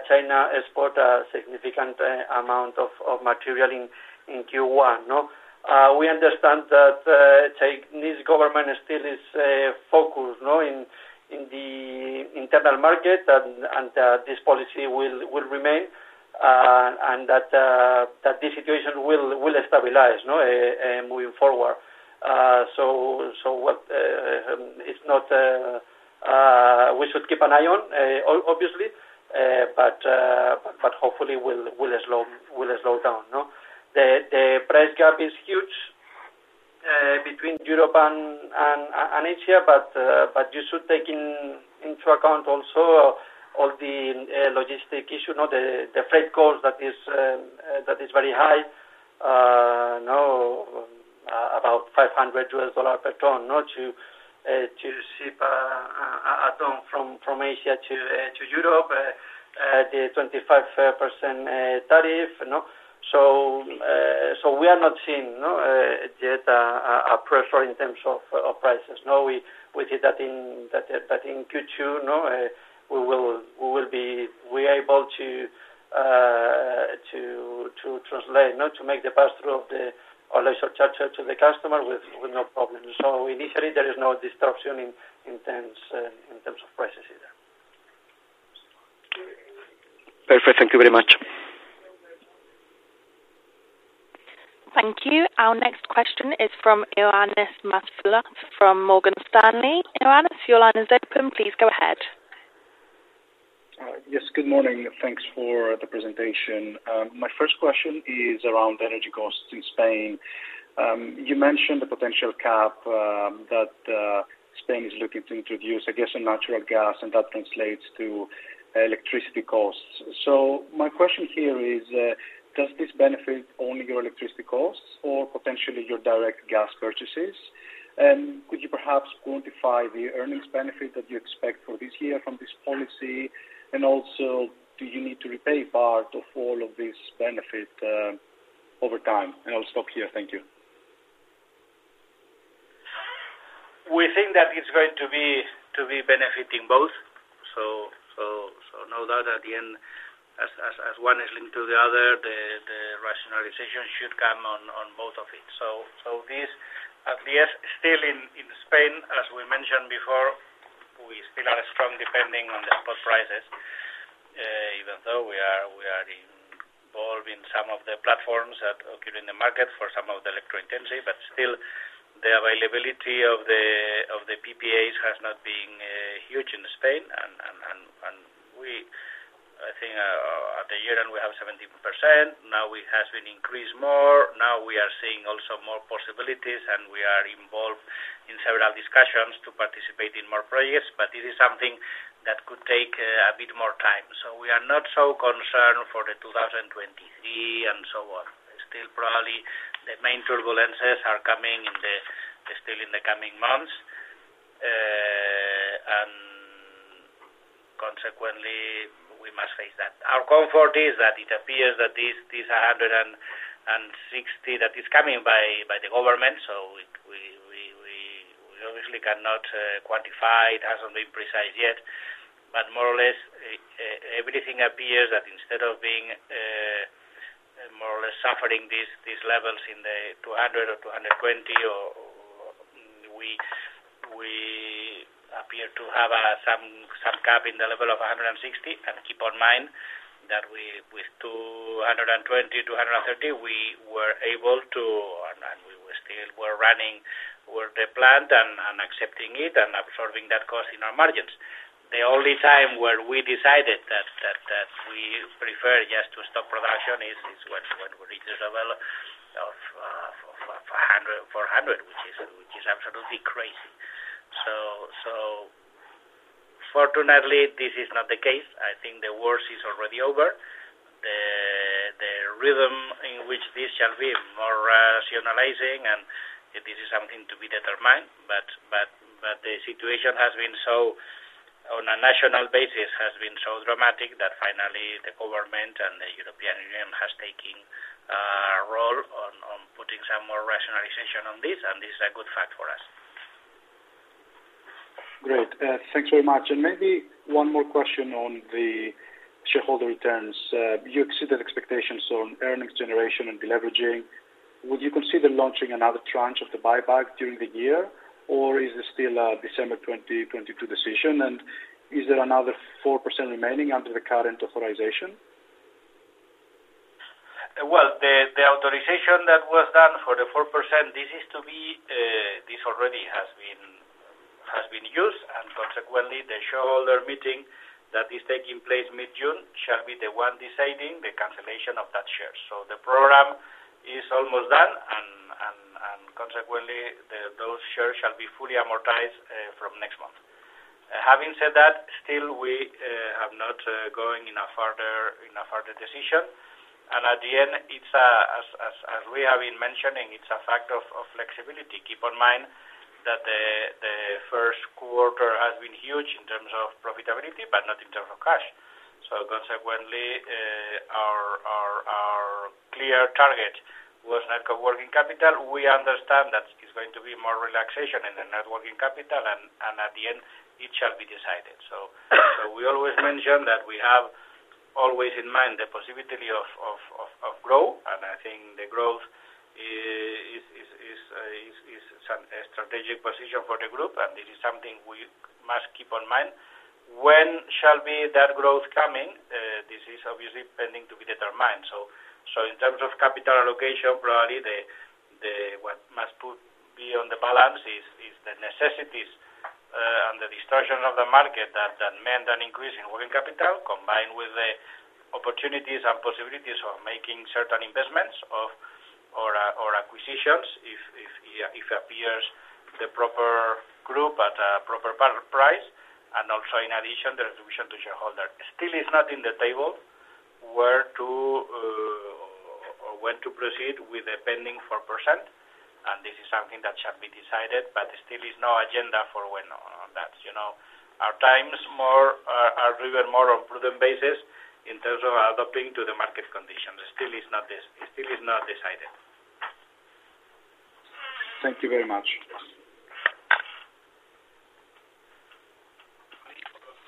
China exported a significant amount of material in Q1, no? We understand that Chinese government still is focused on the internal market and this policy will remain and that the situation will stabilize moving forward. We should keep an eye on, obviously, but hopefully will slow down. The price gap is huge between Europe and Asia, but you should take into account also all the logistics issues, the freight cost that is very high. You know, about $500 per ton to ship a ton from Asia to Europe at the 25% tariff, you know. We are not seeing yet any pressure in terms of prices. We see that in Q2 we are able to make the pass-through of the alloy surcharge to the customer with no problems. Initially, there is no disruption in terms of prices either. Perfect. Thank you very much. Thank you. Our next question is from Ioannis Masvoulas from Morgan Stanley. Ioannis, your line is open. Please go ahead. Yes, good morning. Thanks for the presentation. My first question is around the energy costs in Spain. You mentioned the potential cap that Spain is looking to introduce, I guess, on natural gas, and that translates to electricity costs. My question here is, does this benefit only your electricity costs or potentially your direct gas purchases? Could you perhaps quantify the earnings benefit that you expect for this year from this policy? Also, do you need to repay part of all of this benefit over time? I'll stop here. Thank you. We think that it's going to be benefiting both. No doubt at the end as one is linked to the other, the rationalization should come on both of it. This at least still in Spain, as we mentioned before, we still are strongly depending on the spot prices. Even though we are involved in some of the platforms that are giving the market for some of the electricity intensity, the availability of the PPAs has not been huge in Spain. We, I think, at the year-end, we have 17%. Now it has been increased more. Now we are seeing also more possibilities, and we are involved in several discussions to participate in more projects. This is something that could take a bit more time. We are not so concerned for 2023 and so on. Still probably the main turbulences are coming in the, still in the coming months, and consequently, we must face that. Our comfort is that it appears that this hundred and sixty that is coming by the government, so we obviously cannot quantify. It hasn't been precise yet. More or less, everything appears that instead of being more or less suffering these levels in the 200 or 220. We appear to have some cap in the level of 160. Keep in mind that we with 220, 230, we were able to. We were still running with the plant and accepting it and absorbing that cost in our margins. The only time where we decided that we prefer just to stop production is when we reach a level of 400, which is absolutely crazy. Fortunately, this is not the case. I think the worst is already over. The rhythm in which this shall be more rationalizing, and this is something to be determined, but the situation has been so on a national basis, has been so dramatic that finally the government and the European Union has taken a role on putting some more rationalization on this, and this is a good fact for us. Great. Thanks very much. Maybe one more question on the shareholder returns. You exceeded expectations on earnings generation and deleveraging. Would you consider launching another tranche of the buyback during the year, or is it still a December 2022 decision? Is there another 4% remaining under the current authorization? Well, the authorization that was done for the 4%, this already has been used, and consequently, the shareholder meeting that is taking place mid-June shall be the one deciding the cancellation of that share. The program is almost done and consequently, those shares shall be fully amortized from next month. Having said that, still we have not made a further decision. At the end, it's as we have been mentioning, it's a factor of flexibility. Keep in mind that the Q1 has been huge in terms of profitability, but not in terms of cash. Consequently, our clear target was net working capital. We understand that it's going to be more relaxation in the net working capital, and at the end, it shall be decided. We always mention that we have always in mind the possibility of growth. I think the growth is a strategic position for the group, and it is something we must keep in mind. When shall be that growth coming, this is obviously pending to be determined. In terms of capital allocation, broadly, what must be put beyond the balance sheet is the necessities, and the distortion of the market that meant an increase in working capital, combined with the opportunities and possibilities of making certain investments or acquisitions if it appears the proper group at a proper price, and also in addition, the distribution to shareholder. It still is not on the table whether to or when to proceed with the pending 4%, and this is something that shall be decided, but still is no agenda for when on that. You know, our timing is more driven on a prudent basis in terms of adapting to the market conditions. It still is not this. It still is not decided. Thank you very much. Yes.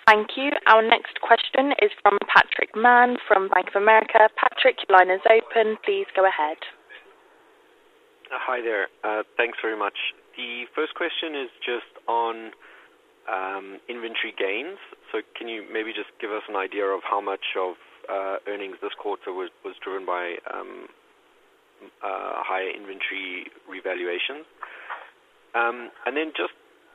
Thank you. Our next question is from Patrick Mann from Bank of America. Patrick, your line is open. Please go ahead. Hi there. Thanks very much. The first question is just on inventory gains. Can you maybe just give us an idea of how much of earnings this quarter was driven by higher inventory revaluation? Then just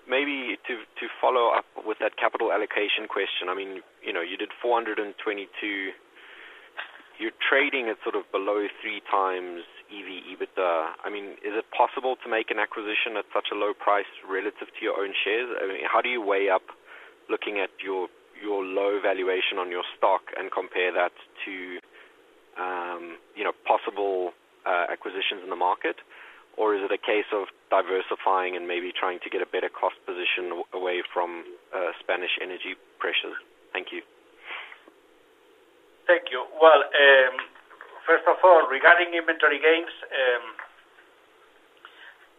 maybe to follow up with that capital allocation question, I mean, you know, you did 422. You're trading at sort of below 3x EV/EBITDA. I mean, is it possible to make an acquisition at such a low price relative to your own shares? I mean, how do you weigh up looking at your low valuation on your stock and compare that to you know, possible acquisitions in the market? Or is it a case of diversifying and maybe trying to get a better cost position away from Spanish energy pressures? Thank you. Thank you. Well, first of all, regarding inventory gains,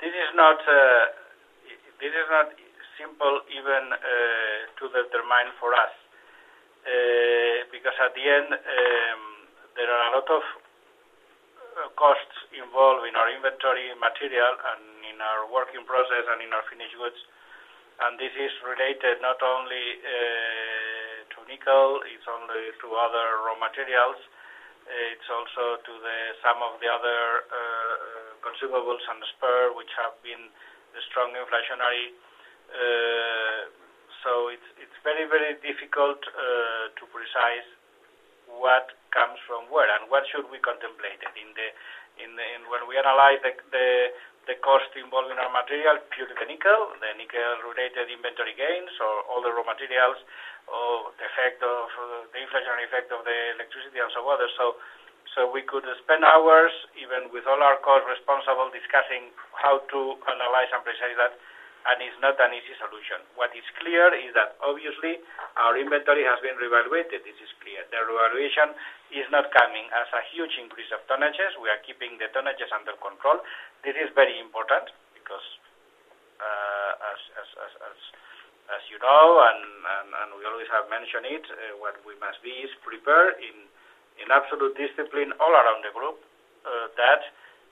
this is not simple even to determine for us because at the end there are a lot of costs involved in our raw material inventory and in our work in process and in our finished goods. This is related not only to nickel but also to other raw materials. It's also to some of the other consumables and spares which have been strongly inflationary. So it's very difficult to precisely determine what comes from where and what we should contemplate when we analyze the cost involved in our material, purely the nickel, the nickel-related inventory gains or all the raw materials or the effect of the inflationary effect of the electricity and so other. We could spend hours, even with all our core responsible, discussing how to analyze and price that, and it's not an easy solution. What is clear is that our inventory has been reevaluated. This is clear. The revaluation is not coming as a huge increase of tonnages. We are keeping the tonnages under control. This is very important because, as you know, and we always have mentioned it, what we must be is prepared in absolute discipline all around the group, that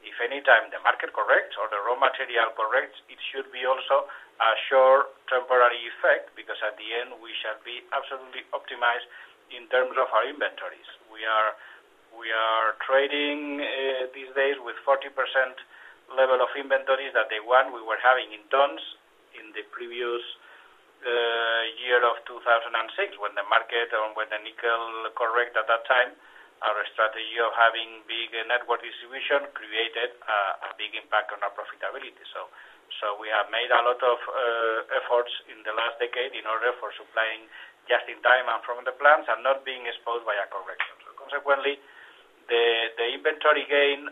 if any time the market corrects or the raw material corrects, it should be also a short temporary effect because at the end, we shall be absolutely optimized in terms of our inventories. We are trading these days with 40% level of inventories that we were having in tons in the previous year of 2006 when the nickel correction at that time. Our strategy of having big distribution network created a big impact on our profitability. We have made a lot of efforts in the last decade in order for supplying just in time and from the plants and not being exposed to corrections. Consequently, the inventory gain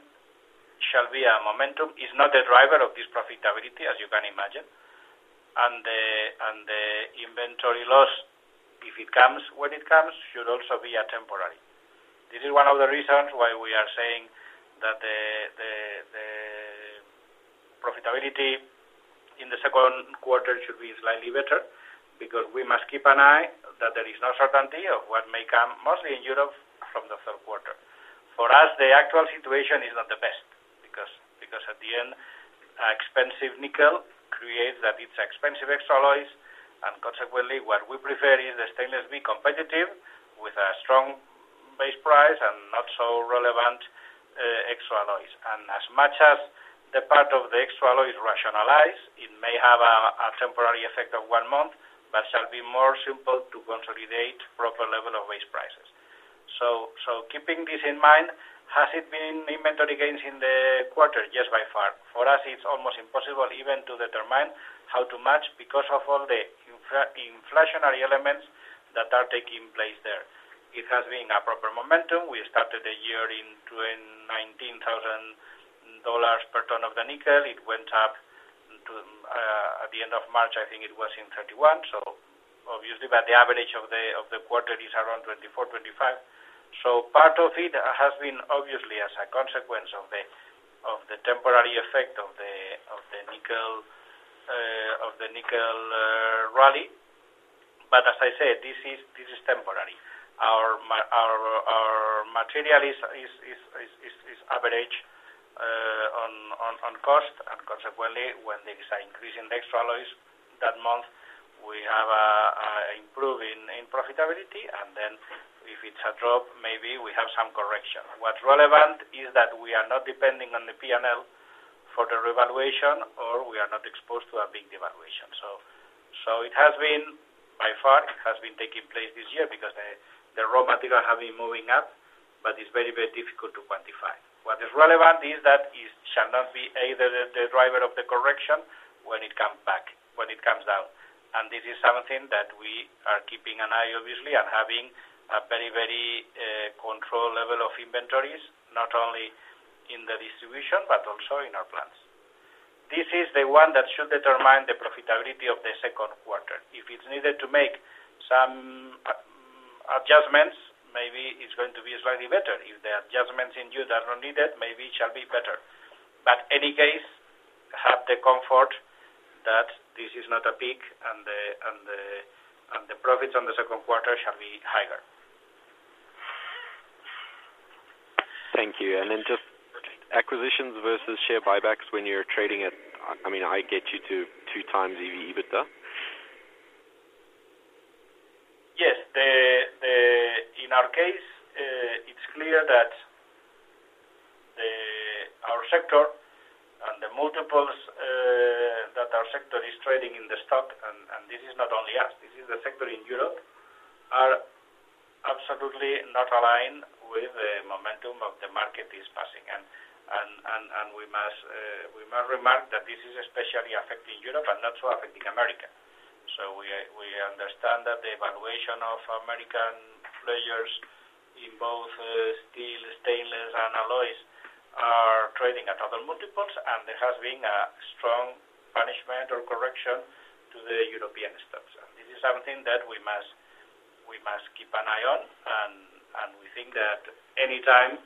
shall be a momentum. It's not a driver of this profitability, as you can imagine. The inventory loss, if it comes, when it comes, should also be temporary. This is one of the reasons why we are saying that the profitability in the Q2 should be slightly better because we must keep an eye that there is no certainty of what may come, mostly in Europe, from the third quarter. For us, the actual situation is not the best because at the end, expensive nickel creates that it's expensive extra alloys, and consequently, what we prefer is the stainless be competitive with a strong base price and not so relevant extra alloys. As much as the part of the extra alloys rationalize, it may have a temporary effect of one month, but shall be more simple to consolidate proper level of base prices. Keeping this in mind, has it been inventory gains in the quarter? Yes, by far. For us, it's almost impossible even to determine how to match because of all the infra-inflationary elements that are taking place there. It has been a proper momentum. We started the year in doing $19,000 per ton of the nickel. It went up to, at the end of March, I think it was in 31. But the average of the quarter is around 24-25. Part of it has been obviously as a consequence of the temporary effect of the nickel rally. As I said, this is temporary. Our material is average on cost, and consequently, when there is an increase in the extra alloys that month, we have improvement in profitability, and then if it's a drop, maybe we have some correction. What's relevant is that we are not depending on the P&L for the revaluation, or we are not exposed to a big devaluation. It has been, by far, taking place this year because the raw material have been moving up, but it's very difficult to quantify. What is relevant is that it shall not be either the driver of the correction when it comes back, when it comes down. This is something that we are keeping an eye on obviously and having a very control level of inventories, not only in the distribution, but also in our plants. This is the one that should determine the profitability of the Q2. If it's needed to make some adjustments, maybe it's going to be slightly better. If the adjustments in June are not needed, maybe it shall be better. But in any case, have the comfort that this is not a peak and the profits on the Q2 shall be higher. Thank you. Then just acquisitions versus share buybacks when you're trading at, I mean, I get you to 2x EBITDA. Yes. In our case, it's clear that our sector and the multiples that our sector is trading in the stock, and this is not only us, this is the sector in Europe, are absolutely not aligned with the momentum of the market is passing. We must remark that this is especially affecting Europe and not so affecting America. We understand that the valuation of American players in both steel, stainless, and alloys are trading at other multiples, and there has been a strong punishment or correction to the European stocks. This is something that we must keep an eye on, and we think that any time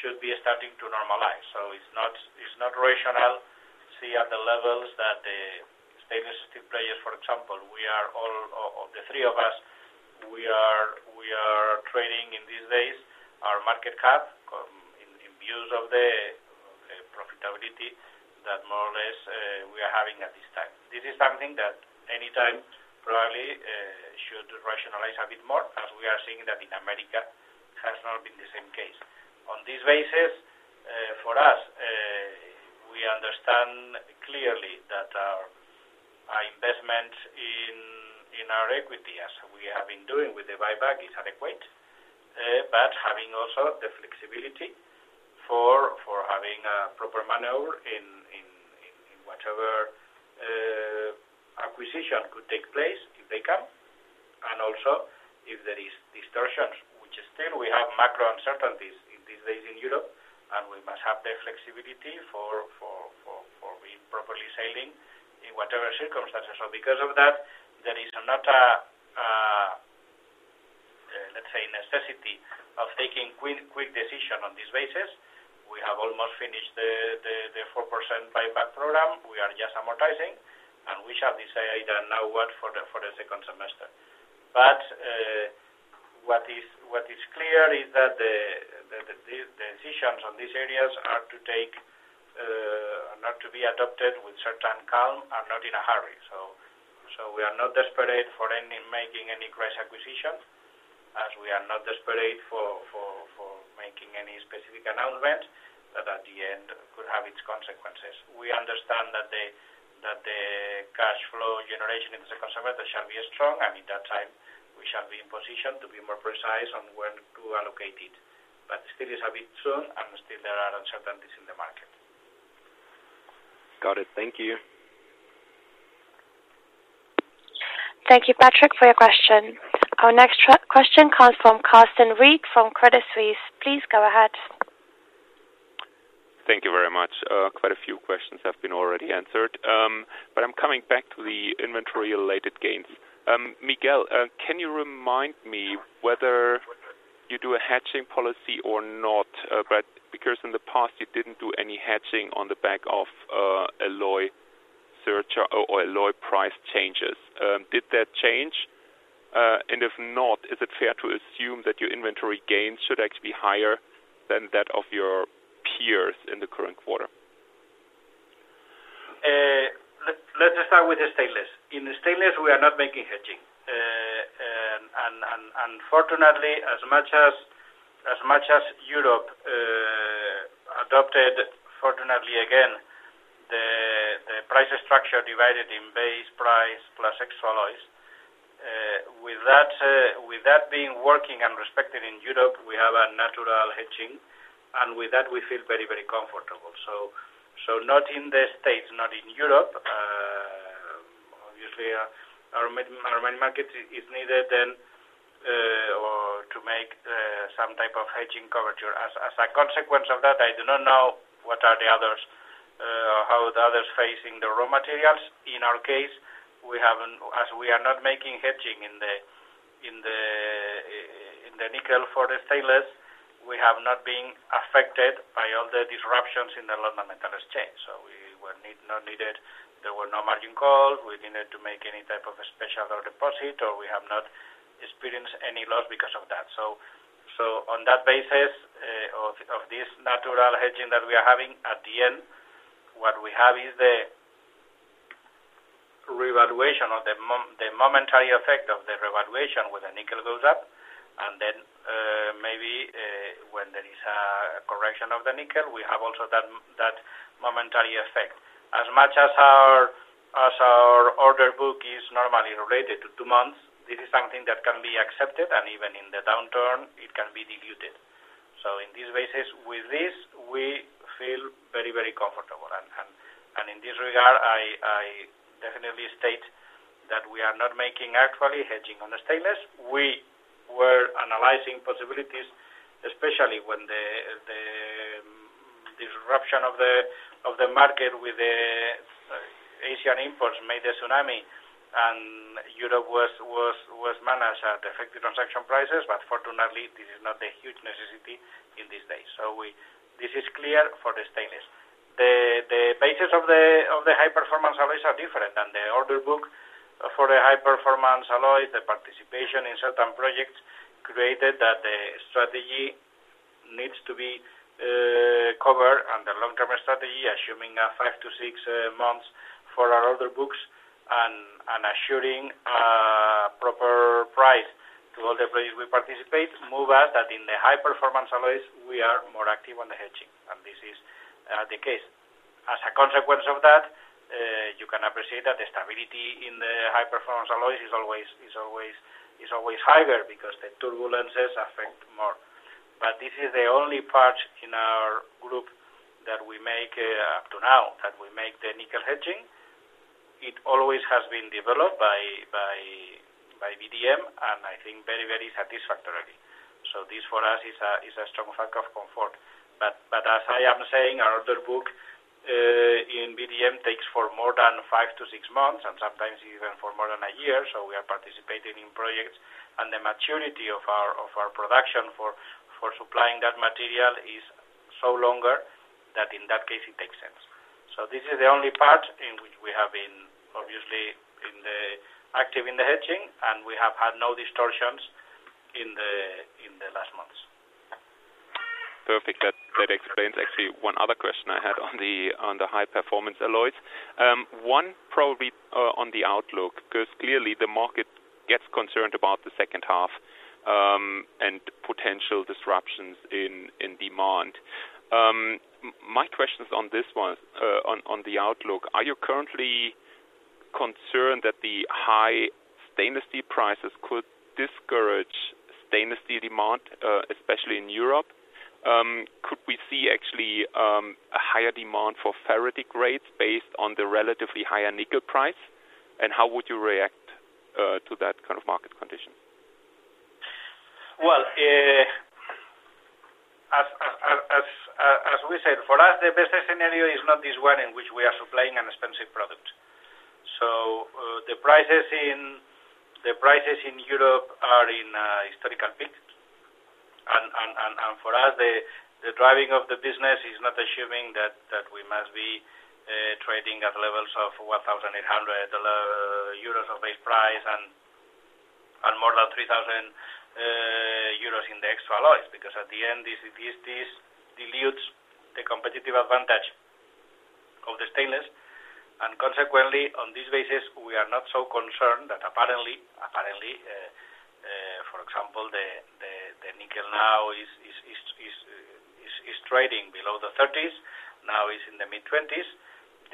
should be starting to normalize. It's not rational to see at the levels that the stainless steel players, for example, of the three of us, we are trading in these days our market cap in view of the profitability that more or less we are having at this time. This is something that at any time probably should rationalize a bit more as we are seeing that in America has not been the same case. On this basis, for us, we understand clearly that our investment in our equity as we have been doing with the buyback is adequate, but having also the flexibility for having a proper maneuver in whatever acquisition could take place if they come, and also if there is distortions, which still we have macro uncertainties in these days in Europe, and we must have the flexibility for being properly sailing in whatever circumstances. Because of that, there is not a, let's say, necessity of taking quick decision on this basis. We have almost finished the 4% buyback program. We are just amortizing, and we shall decide now what for the second semester. What is clear is that the decisions on these areas are not to be adopted with a certain calm and not in a hurry. We are not desperate for making any price acquisition, as we are not desperate for making any specific announcement that at the end could have its consequences. We understand that the cash flow generation in the second semester shall be strong, and in that time we shall be in position to be more precise on when to allocate it. Still it's a bit soon, and still there are uncertainties in the market. Got it. Thank you. Thank you, Patrick, for your question. Our next question comes from Carsten Riek from Credit Suisse. Please go ahead. Thank you very much. Quite a few questions have been already answered. I'm coming back to the inventory-related gains. Miguel, can you remind me whether you do a hedging policy or not? Because in the past, you didn't do any hedging on the back of alloy surcharge or alloy price changes. Did that change? And if not, is it fair to assume that your inventory gains should actually be higher than that of your peers in the current quarter? Let's start with the stainless. In the stainless, we are not hedging. Fortunately, as much as Europe adopted the price structure divided in base price plus extra alloys with that working and respected in Europe, we have a natural hedging, and with that we feel very comfortable. Not in the States, not in Europe, obviously our main market isn't needed then or to make some type of hedging coverage. As a consequence of that, I do not know how the others are facing the raw materials. In our case, as we are not making hedging in the nickel for the sales, we have not been affected by all the disruptions in the London Metal Exchange. We were not needed, there were no margin calls, we didn't need to make any type of special deposit, or we have not experienced any loss because of that. On that basis of this natural hedging that we are having, at the end, what we have is the revaluation or the momentary effect of the revaluation when the nickel goes up. Then, maybe, when there is a correction of the nickel, we have also that momentary effect. As much as our order book is normally related to two months, this is something that can be accepted, and even in the downturn, it can be diluted. In this basis, with this, we feel very, very comfortable. In this regard, I definitely state that we are not making actually hedging on the stainless. We were analyzing possibilities, especially when the disruption of the market with the Asian imports made a tsunami, and Europe was managed at effective transaction prices. Fortunately, this is not a huge necessity in this day. This is clear for the stainless. The basis of the High Performance Alloys are different than the order book for the High Performance Alloys. The participation in certain projects created that the strategy needs to be covered and the long-term strategy, assuming five to six months for our order books and assuring a proper price to all the places we participate, moves us to in the High Performance Alloys we are more active on the hedging, and this is the case. As a consequence of that, you can appreciate that the stability in the High Performance Alloys is always higher because the turbulences affect more. This is the only part in our group that we make, up to now, the nickel hedging. It always has been developed by VDM and I think very satisfactorily. This for us is a strong factor of comfort. As I am saying, our order book in VDM takes for more than five to six months and sometimes even for more than a year. We are participating in projects and the maturity of our production for supplying that material is so long that in that case it makes sense. This is the only part in which we have been obviously active in the hedging and we have had no distortions in the last months. Perfect. That explains actually one other question I had on the High Performance Alloys. One probably on the outlook, because clearly the market gets concerned about the second half and potential disruptions in demand. My question is on this one on the outlook. Are you currently concerned that the high stainless steel prices could discourage stainless steel demand, especially in Europe? Could we see actually a higher demand for ferritic grades based on the relatively higher nickel price? How would you react to that kind of market condition? Well, as we said, for us, the business scenario is not this one in which we are supplying an expensive product. The prices in Europe are in historical peaks. For us, the driving of the business is not assuming that we must be trading at levels of 1,800 euros of base price and more than 3,000 euros in the extra alloys because at the end this dilutes the competitive advantage of the stainless and consequently on this basis, we are not so concerned that apparently, for example, the nickel now is trading below the 30s, now is in the mid-20s.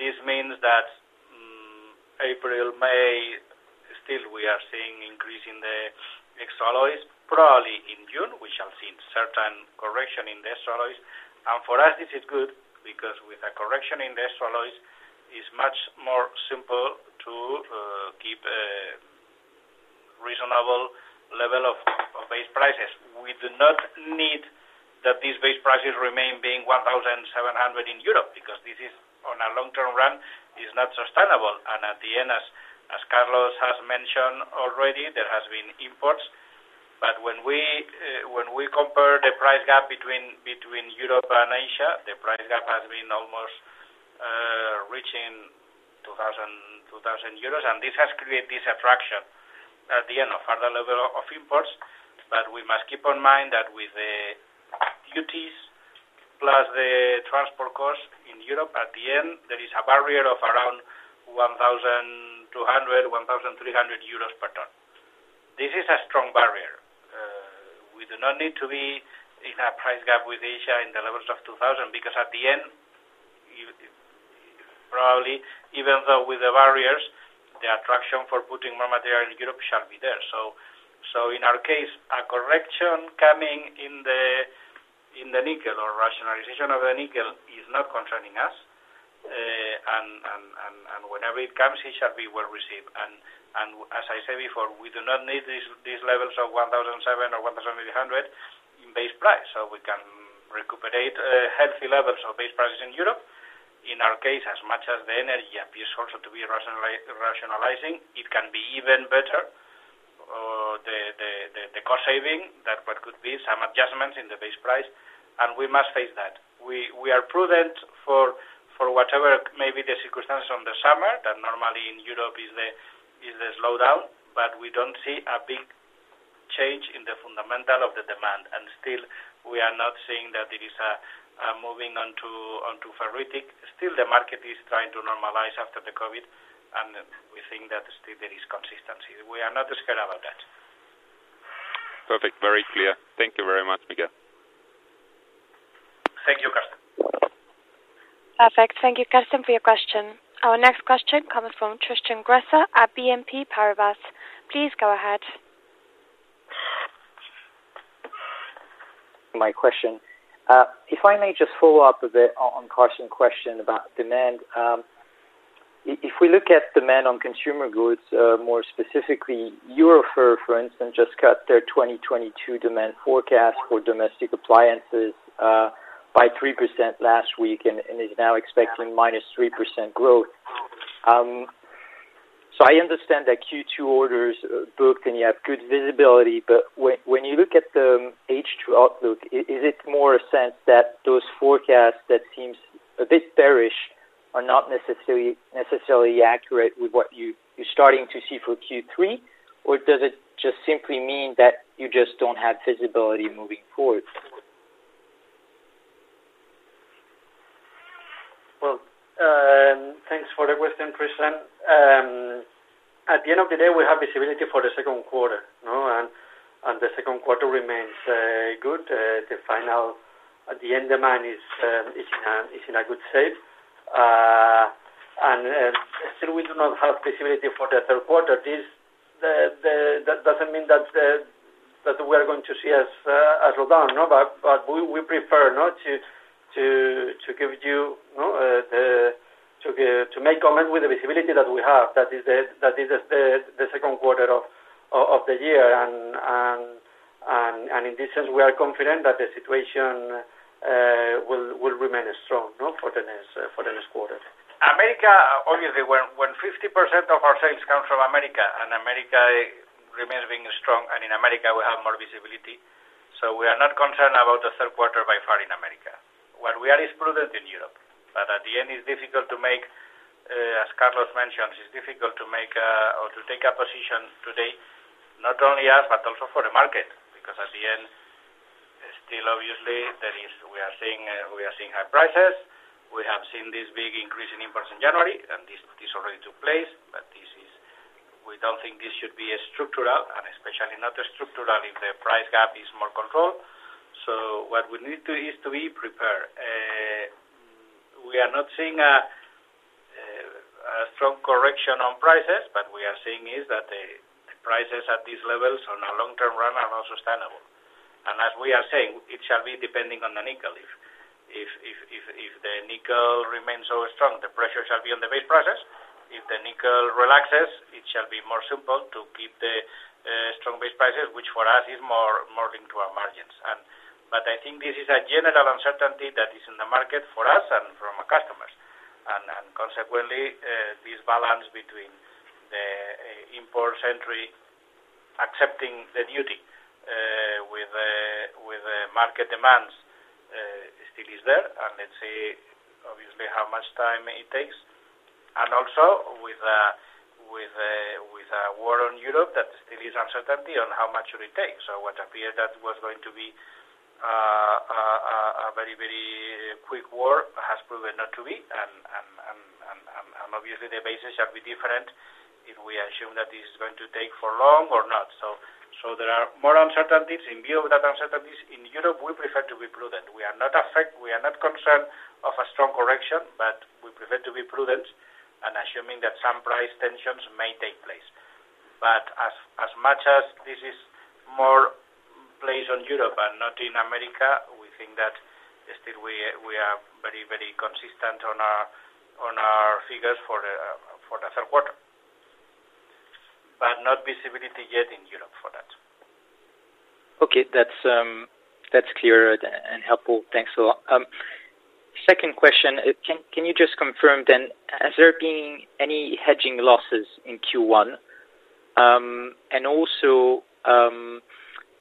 This means that April, May, still we are seeing increase in the alloy surcharges. Probably in June, we shall see certain correction in the alloy surcharges. For us this is good because with a correction in the alloy surcharges, it's much more simple to keep a reasonable level of base prices. We do not need that these base prices remain being 1,700 in Europe because this is on a long term run, is not sustainable. At the end, as Carlos has mentioned already, there has been imports. But when we compare the price gap between Europe and Asia, the price gap has been almost reaching 2,000 euros, and this has created this attraction at the end of further level of imports. We must keep in mind that with the duties plus the transport cost in Europe at the end, there is a barrier of around 1,200-1,300 euros per ton. This is a strong barrier. We do not need to be in a price gap with Asia in the levels of 2,000 because at the end, you probably even though with the barriers, the attraction for putting more material in Europe shall be there. So in our case, a correction coming in the nickel or rationalization of the nickel is not concerning us. And whenever it comes, it shall be well received. As I said before, we do not need these levels of 1,007 or 1,800 in base price, so we can recuperate healthy levels of base prices in Europe. In our case, as much as the energy appears also to be rationalizing, it can be even better. The cost saving that what could be some adjustments in the base price, and we must face that. We are prudent for whatever may be the circumstances on the summer that normally in Europe is the slowdown, but we don't see a big change in the fundamental of the demand. Still we are not seeing that it is moving onto ferritic. Still the market is trying to normalize after the COVID, and we think that still there is consistency. We are not scared about that. Perfect. Very clear. Thank you very much, Miguel. Thank you, Carsten. Perfect. Thank you, Carsten, for your question. Our next question comes from Tristan Gresser at BNP Paribas. Please go ahead. My question. If I may just follow up a bit on Carsten question about demand. If we look at demand on consumer goods, more specifically EUROFER, for instance, just cut their 2022 demand forecast for domestic appliances by 3% last week and is now expecting -3% growth. So I understand that Q2 orders are booked and you have good visibility, but when you look at the H2 outlook, is it more a sense that those forecasts that seems a bit bearish are not necessarily accurate with what you're starting to see for Q3? Or does it just simply mean that you just don't have visibility moving forward? Well, thanks for the question, Tristan. At the end of the day, we have visibility for the Q2, you know, and the Q2 remains good. At the end, demand is in good shape. Still we do not have visibility for the third quarter. That doesn't mean that we are going to see a slowdown. No, but we prefer not to give you know, comments with the visibility that we have. That is the Q2 of the year. In this sense, we are confident that the situation will remain strong, you know, for the next quarter. America, obviously, when 50% of our sales come from America and America remains being strong, and in America we have more visibility, so we are not concerned about the third quarter by far in America. Where we are is prudent in Europe, but at the end it's difficult to make, as Carlos mentioned, it's difficult to make or to take a position today, not only us, but also for the market, because at the end, still obviously there is. We are seeing high prices. We have seen this big increase in imports in January and this already took place. We don't think this should be structural and especially not structural if the price gap is more controlled. What we need to is to be prepared. We are not seeing a strong correction on prices, but we are seeing is that the prices at these levels on a long-term run are not sustainable. As we are saying, it shall be depending on the nickel. If the nickel remains so strong, the pressure shall be on the base prices. If the nickel relaxes, it shall be more simple to keep the strong base prices, which for us is more into our margins. I think this is a general uncertainty that is in the market for us and from our customers. Consequently, this balance between the imports entering accepting the duty with market demands still is there. Let's see obviously how much time it takes. With a war on Europe, there still is uncertainty on how long it will take. What appeared that was going to be a very quick war has proven not to be. Obviously the basis shall be different if we assume that this is going to take long or not. There are more uncertainties. In view of those uncertainties in Europe, we prefer to be prudent. We are not concerned of a strong correction, but we prefer to be prudent and assuming that some price tensions may take place. As much as this is more placed on Europe and not in America, we think that still we are very consistent on our figures for the third quarter. Not visibility yet in Europe for that. Okay. That's clear and helpful. Thanks a lot. Second question. Can you just confirm then, has there been any hedging losses in Q1? And also,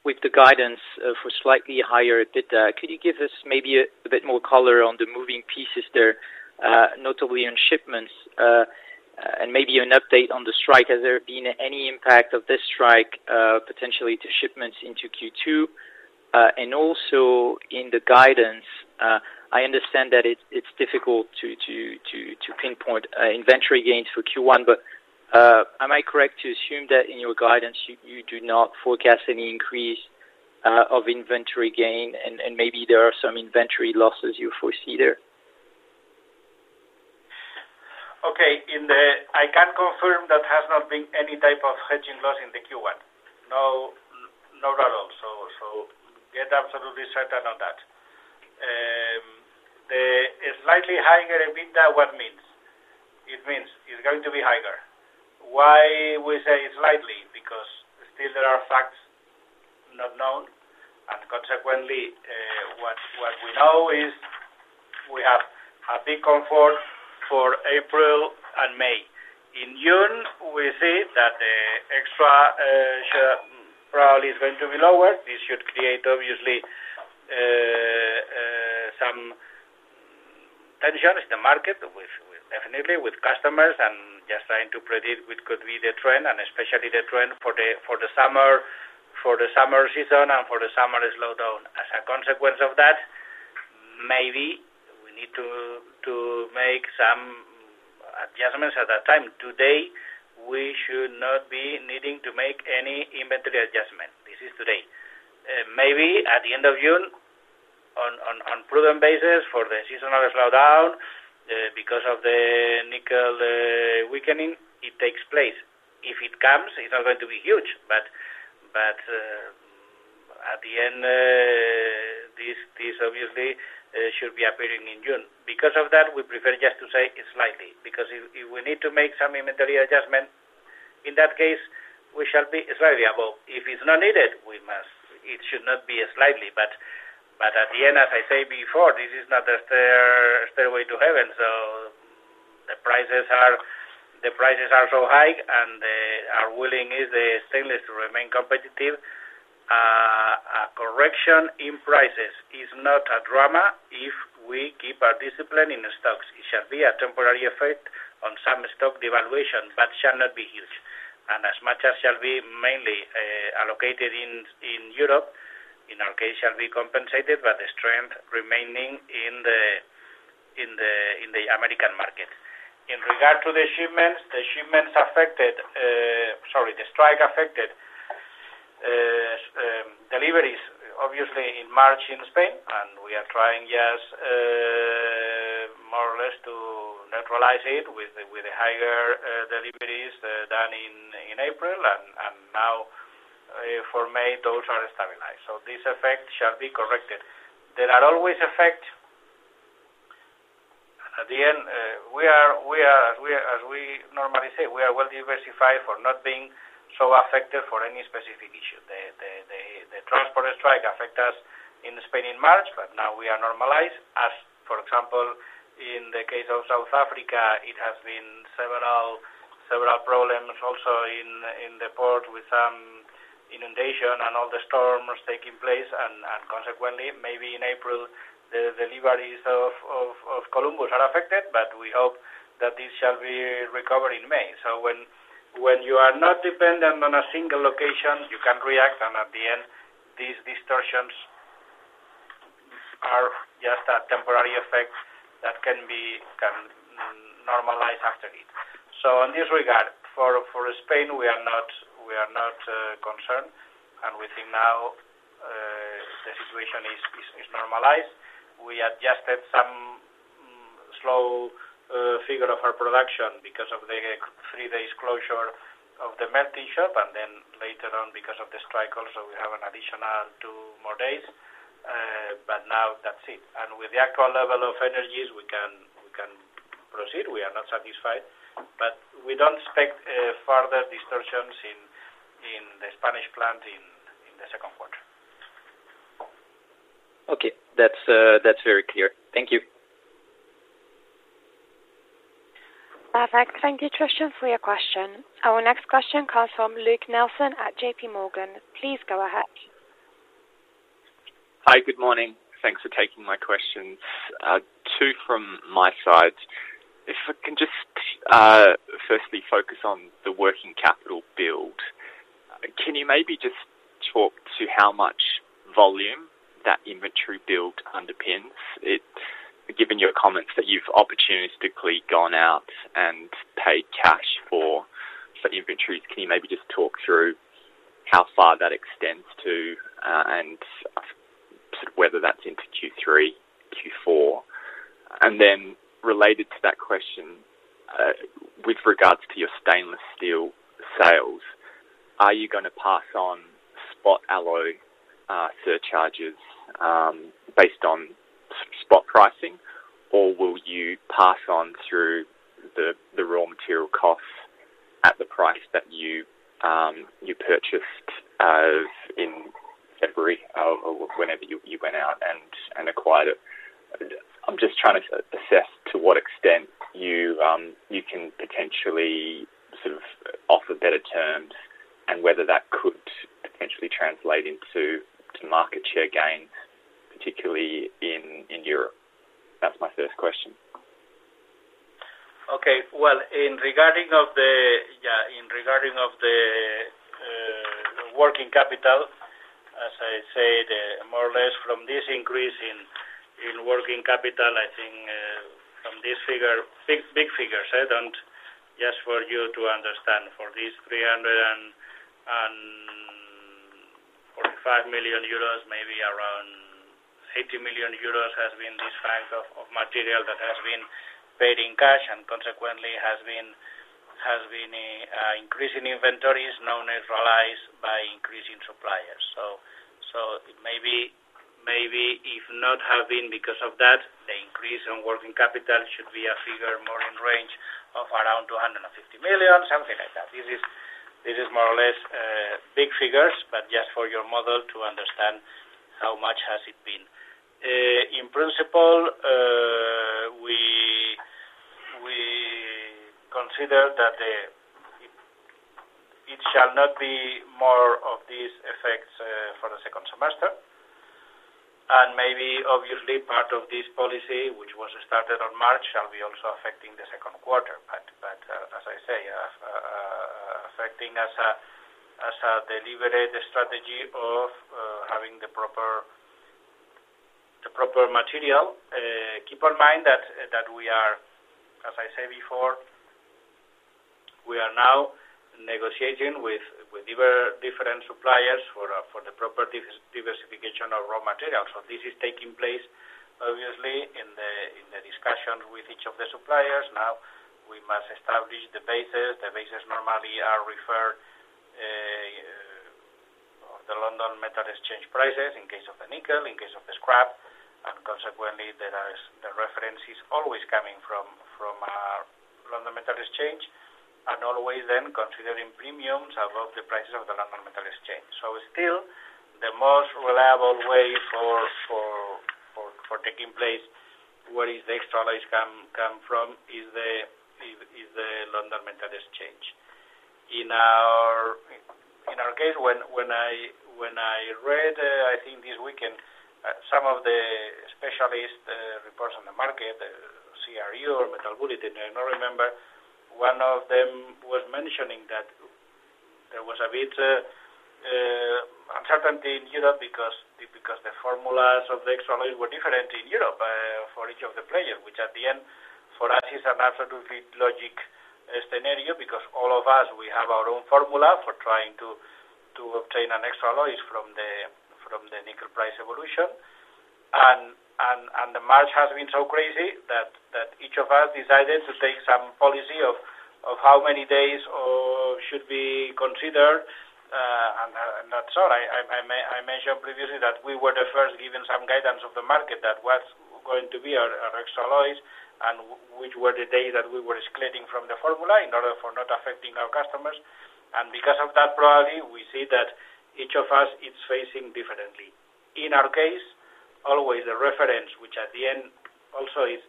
with the guidance for slightly higher EBITDA, could you give us maybe a bit more color on the moving pieces there, notably on shipments? And maybe an update on the strike. Has there been any impact of this strike potentially to shipments into Q2? And also in the guidance, I understand that it's difficult to pinpoint inventory gains for Q1, but am I correct to assume that in your guidance you do not forecast any increase of inventory gain and maybe there are some inventory losses you foresee there? Okay. I can confirm there has not been any type of hedging loss in the Q1. No data. Get absolutely certain on that. A slightly higher EBITDA, what means? It means it's going to be higher. Why we say slightly? Because still there are facts not known, and consequently, what we know is we have a big comfort for April and May. In June, we see that the extras probably is going to be lower. This should create obviously some tension in the market with definitely with customers and just trying to predict what could be the trend and especially the trend for the summer season and for the summer slowdown. As a consequence of that, maybe we need to make some adjustments at that time. Today, we should not be needing to make any inventory adjustment. This is today. Maybe at the end of June on proven basis for the seasonal slowdown, because of the nickel weakening, it takes place. If it comes, it's not going to be huge. At the end, this obviously should be appearing in June. Because of that, we prefer just to say slightly, because if we need to make some inventory adjustment, in that case, we shall be variable. If it's not needed, it should not be slightly. At the end, as I said before, this is not a stairway to heaven. The prices are so high, and our willing is the stainless to remain competitive. A correction in prices is not a drama if we keep our discipline in stocks. It shall be a temporary effect on some stock devaluation, but shall not be huge. As much as shall be mainly allocated in Europe, in our case, shall be compensated by the strength remaining in the American market. In regard to the shipments, the strike affected deliveries obviously in March in Spain, and we are trying just more or less to neutralize it with higher deliveries than in April and now for May, those are stabilized. This effect shall be corrected. There are always effect. At the end, as we normally say, we are well-diversified for not being so affected for any specific issue. The transporter strike affect us in Spain in March, but now we are normalized. As for example, in the case of South Africa, it has been several problems also in the port with some inundation and all the storms taking place. Consequently, maybe in April, the deliveries of Columbus are affected, but we hope that this shall be recovered in May. When you are not dependent on a single location, you can react, and at the end, these distortions are just a temporary effect that can normalize after it. In this regard, for Spain, we are not concerned. We think now the situation is normalized. We adjusted some slow figure of our production because of the three days closure of the melting shop, and then later on because of the strike also, we have an additional two more days. Now that's it. With the actual level of energies we can proceed. We are not satisfied, but we don't expect further distortions in the Spanish plant in the Q2. Okay. That's very clear. Thank you. Perfect. Thank you, Tristan, for your question. Our next question comes from Luke Nelson at JP Morgan. Please go ahead. Hi. Good morning. Thanks for taking my questions. Two from my side. If I can just, firstly focus on the working capital build. Can you maybe just talk to how much volume that inventory build underpins it? Given your comments that you've opportunistically gone out and paid cash for some inventories, can you maybe just talk through how far that extends to, and sort of whether that's into Q3, Q4? Related to that question, with regards to your stainless steel sales, are you gonna pass on spot alloy surcharges based on spot pricing, or will you pass on through the raw material costs at the price that you purchased in February or whenever you went out and acquired it? I'm just trying to assess to what extent you can potentially offer on better terms, and whether that could potentially translate into market share gains, particularly in Europe. That's my first question. Well, in regard to the working capital, as I said, more or less from this increase in working capital, I think from this figure, big figures just for you to understand, for this 345 million euros, maybe around 80 million euros has been this rise of material that has been paid in cash and consequently has been an increase in inventories now neutralized by increasing suppliers. So maybe if not have been because of that, the increase in working capital should be a figure more in the range of around 250 million, something like that. This is more or less big figures, but just for your model to understand how much has it been. In principle, we consider that it shall not be more of these effects for the second semester. Maybe obviously, part of this policy, which was started on March, shall be also affecting the Q2. As I say, affecting as a deliberate strategy of having the proper material. Keep in mind that we are, as I said before, we are now negotiating with different suppliers for the proper diversification of raw materials. This is taking place, obviously, in the discussion with each of the suppliers. Now, we must establish the bases. The bases normally are referred to the London Metal Exchange prices in case of the nickel, in case of the scrap, and consequently, the reference is always coming from London Metal Exchange, and always then considering premiums above the prices of the London Metal Exchange. Still, the most reliable way for taking place, where the extra alloys come from is the London Metal Exchange. In our case, when I read, I think this weekend, some of the specialists' reports on the market, CRU or Metal Bulletin, I don't remember, one of them was mentioning that there was a bit of uncertainty in Europe because the formulas of the alloy surcharges were different in Europe for each of the players, which at the end, for us, is an absolutely logical scenario, because all of us, we have our own formula for trying to obtain an alloy surcharge from the nickel price evolution. March has been so crazy that each of us decided to take some policy of how many days or should be considered, and that's all. I mentioned previously that we were the first to give some guidance on the market that was going to be our extras, alloys and which were the data that we were excluding from the formula in order for not affecting our customers. Because of that, probably, we see that each of us is facing differently. In our case, always the reference, which at the end also is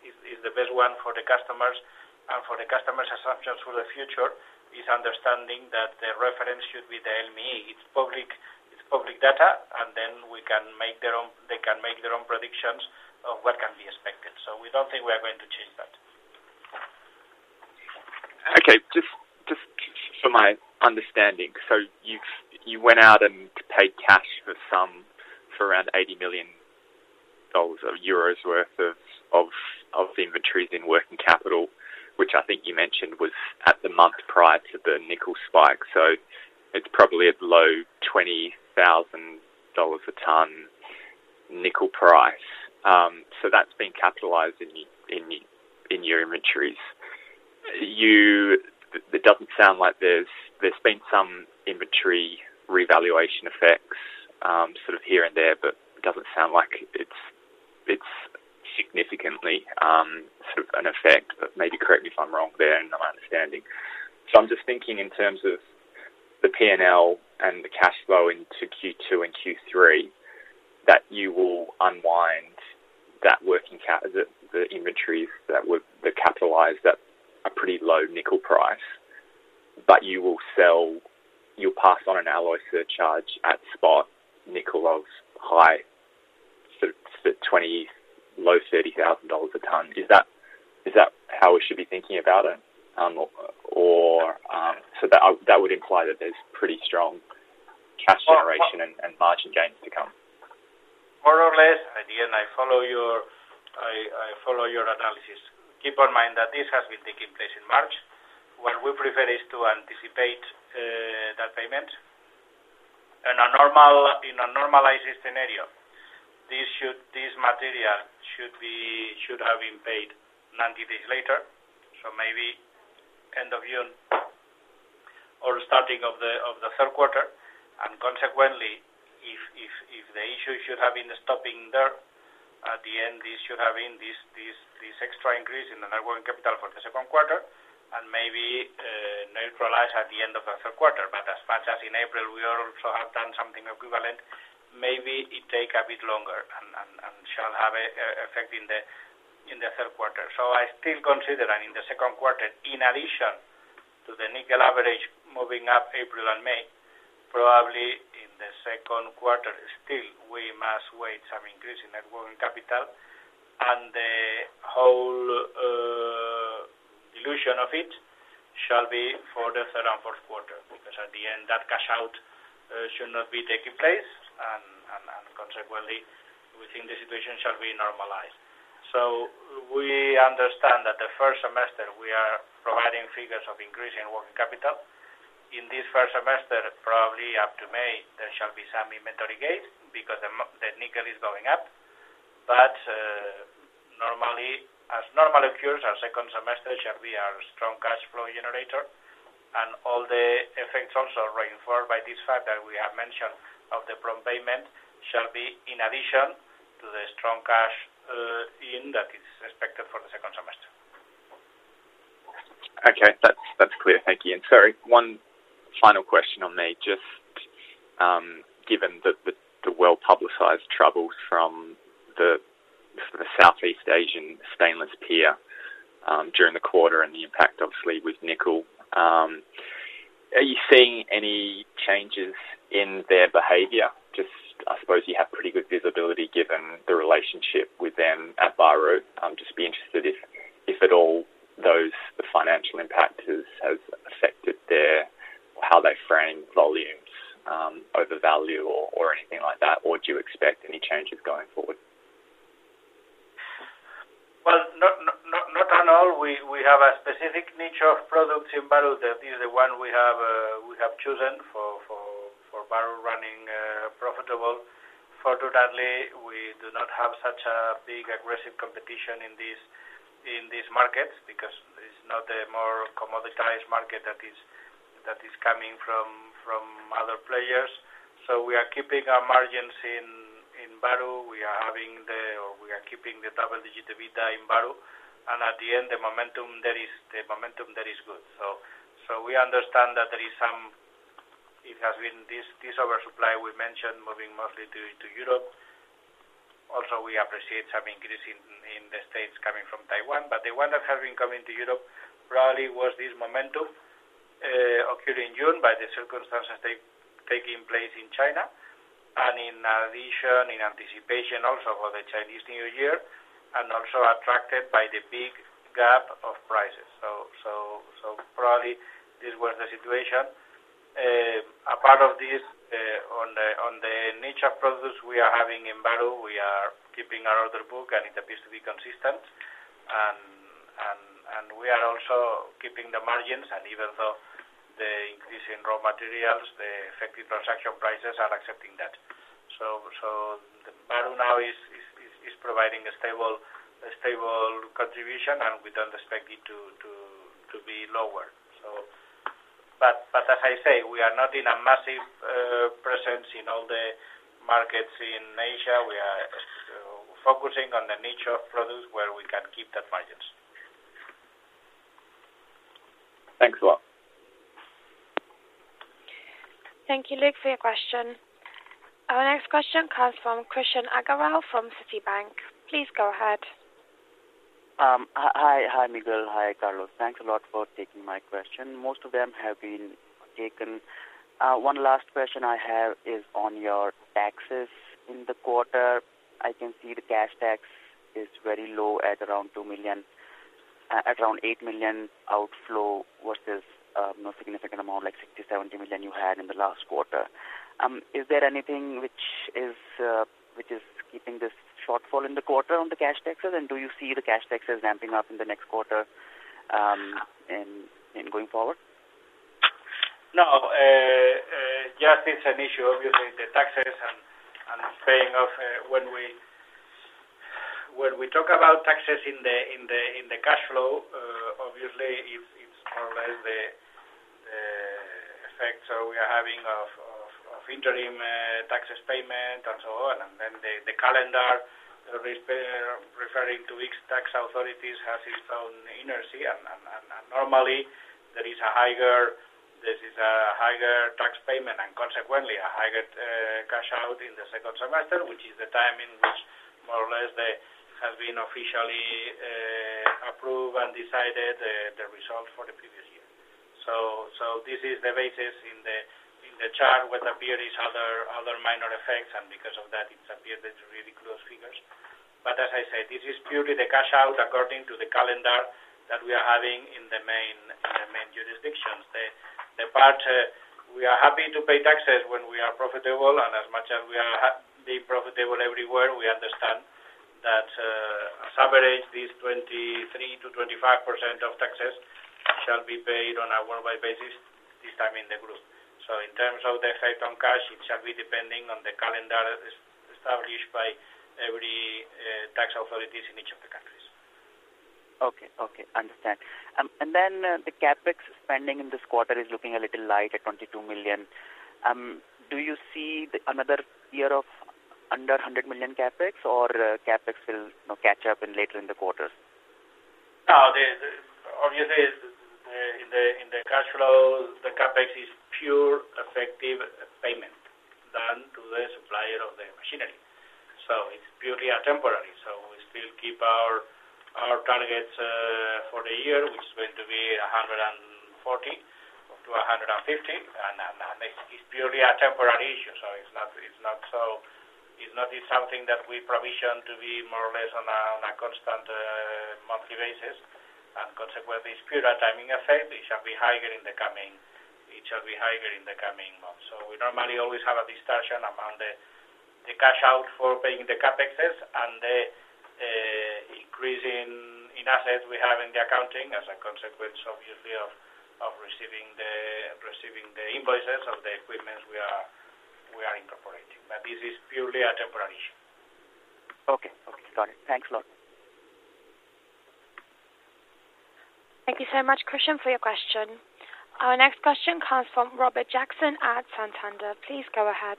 the best one for the customers and for the customers assumptions for the future, is understanding that the reference should be the LME. It's public data, and then they can make their own predictions of what can be expected. We don't think we are going to change that. Okay. Just for my understanding. You went out and paid cash for around EUR 80 million worth of inventories in working capital, which I think you mentioned was in the month prior to the nickel spike. It's probably at low $20,000-a-ton nickel price. That's been capitalized in your inventories. It doesn't sound like there's been some inventory revaluation effects, sort of here and there, but it doesn't sound like it's significantly sort of an effect, but maybe correct me if I'm wrong there in my understanding. I'm just thinking in terms of the P&L and the cash flow into Q2 and Q3, that you will unwind the inventories that capitalize that a pretty low nickel price. You'll pass on an alloy surcharge at spot nickel of high sort of at $20,000-$30,000 a ton. Is that how we should be thinking about it? Or so that would imply that there's pretty strong cash generation and margin gains to come. More or less. At the end, I follow your analysis. Keep in mind that this has been taking place in March. What we prefer is to anticipate that payment. In a normalized scenario, this material should have been paid 90 days later. So maybe end of June or starting of the third quarter. Consequently, if the issue should have been stopping there, at the end, this should have been this extra increase in the net working capital for the Q2, and maybe neutralize at the end of the third quarter. As much as in April, we also have done something equivalent, maybe it take a bit longer, and it shall have an effect in the third quarter. I still consider that in the Q2, in addition to the nickel average moving up April and May, probably in the Q2 still we must wait some increase in net working capital and the whole illusion of it shall be for the third and Q4, because at the end, that cash out should not be taking place and consequently, we think the situation shall be normalized. We understand that the first semester we are providing figures of increasing working capital. In this first semester, probably up to May, there shall be some inventory gains because the nickel is going up. Normally, as normal occurs, our second semester shall be our strong cash flow generator and all the effects also reinforced by this factor we have mentioned of the prompt payment shall be in addition to the strong cash inflow that is expected for the second semester. Okay. That's clear. Thank you. Sorry, one final question from me. Just, given the well-publicized troubles from the Southeast Asian stainless peer during the quarter and the impact obviously with nickel, are you seeing any changes in their behavior? Just, I suppose you have pretty good visibility given the relationship with them at Baru. I'm just interested if at all those financial impacts have affected how they frame volumes over value or anything like that, or do you expect any changes going forward? Well, not at all. We have a specific niche of products in Baru that is the one we have chosen for Baru running profitable. Fortunately, we do not have such a big aggressive competition in this market because it's not a more commoditized market that is coming from other players. We are keeping our margins in Baru. We are keeping the double-digit EBITDA in Baru. The momentum there is good. We understand that there is some. It has been this oversupply we mentioned moving mostly to Europe. Also, we appreciate some increase in the States coming from Taiwan. The one that have been coming to Europe probably was this momentum occurred in June by the circumstances taking place in China, and in addition, in anticipation also for the Chinese New Year, and also attracted by the big gap of prices. Probably this was the situation. A part of this, on the nature of products we are having in Baru, we are keeping our order book, and it appears to be consistent. We are also keeping the margins. Even though the increase in raw materials, the effective transaction prices are accepting that. So Baru now is providing a stable contribution, and we don't expect it to be lower. As I say, we are not in a massive presence in all the markets in Asia. We are focusing on the nature of products where we can keep that margins. Thanks a lot. Thank you, Luke, for your question. Our next question comes from Krishan Agarwal from Citi. Please go ahead. Hi, Miguel. Hi, Carlos. Thanks a lot for taking my question. Most of them have been taken. One last question I have is on your taxes in the quarter. I can see the cash tax is very low at around 2 million, at around 8 million outflow versus a significant amount, like 60-70 million you had in the last quarter. Is there anything which is keeping this shortfall in the quarter on the cash taxes, and do you see the cash taxes ramping up in the next quarter, in going forward? No. Just it's an issue, obviously, the taxes and paying off, when we talk about taxes in the cash flow, obviously it's more or less the effect we are having of interim taxes payment and so on. Then the calendar referring to which tax authorities has its own inertia and normally there is a higher, this is a higher tax payment and consequently a higher cash out in the second semester, which is the time in which more or less they have been officially approved and decided the result for the previous year. This is the basis in the chart where appear these other minor effects, and because of that it's appeared as really close figures. As I said, this is purely the cash out according to the calendar that we are having in the main jurisdictions. We are happy to pay taxes when we are profitable, and as much as we are being profitable everywhere, we understand that, on average, these 23%-25% of taxes shall be paid on a worldwide basis this time in the group. In terms of the effect on cash, it shall be depending on the calendar established by every tax authorities in each of the countries. Okay. Understand. The CapEx spending in this quarter is looking a little light at 22 million. Do you see another year of under 100 million CapEx or CapEx will, you know, catch up later in the quarters? No, obviously, in the cash flows, the CapEx is purely effective payment done to the supplier of the machinery. It's purely a temporary. We still keep our targets for the year, which is going to be 140 up to 150. It's purely a temporary issue. It's not something that we provision to be more or less on a constant monthly basis. Consequently, it's purely a timing effect. It shall be higher in the coming months. We normally always have a discussion among the cash out for paying the CapExes and the increase in assets we have in the accounting as a consequence obviously of receiving the invoices of the equipment we are incorporating. This is purely a temporary issue. Okay. Got it. Thanks a lot. Thank you so much, Christian, for your question. Our next question comes from Robert Jackson at Santander. Please go ahead.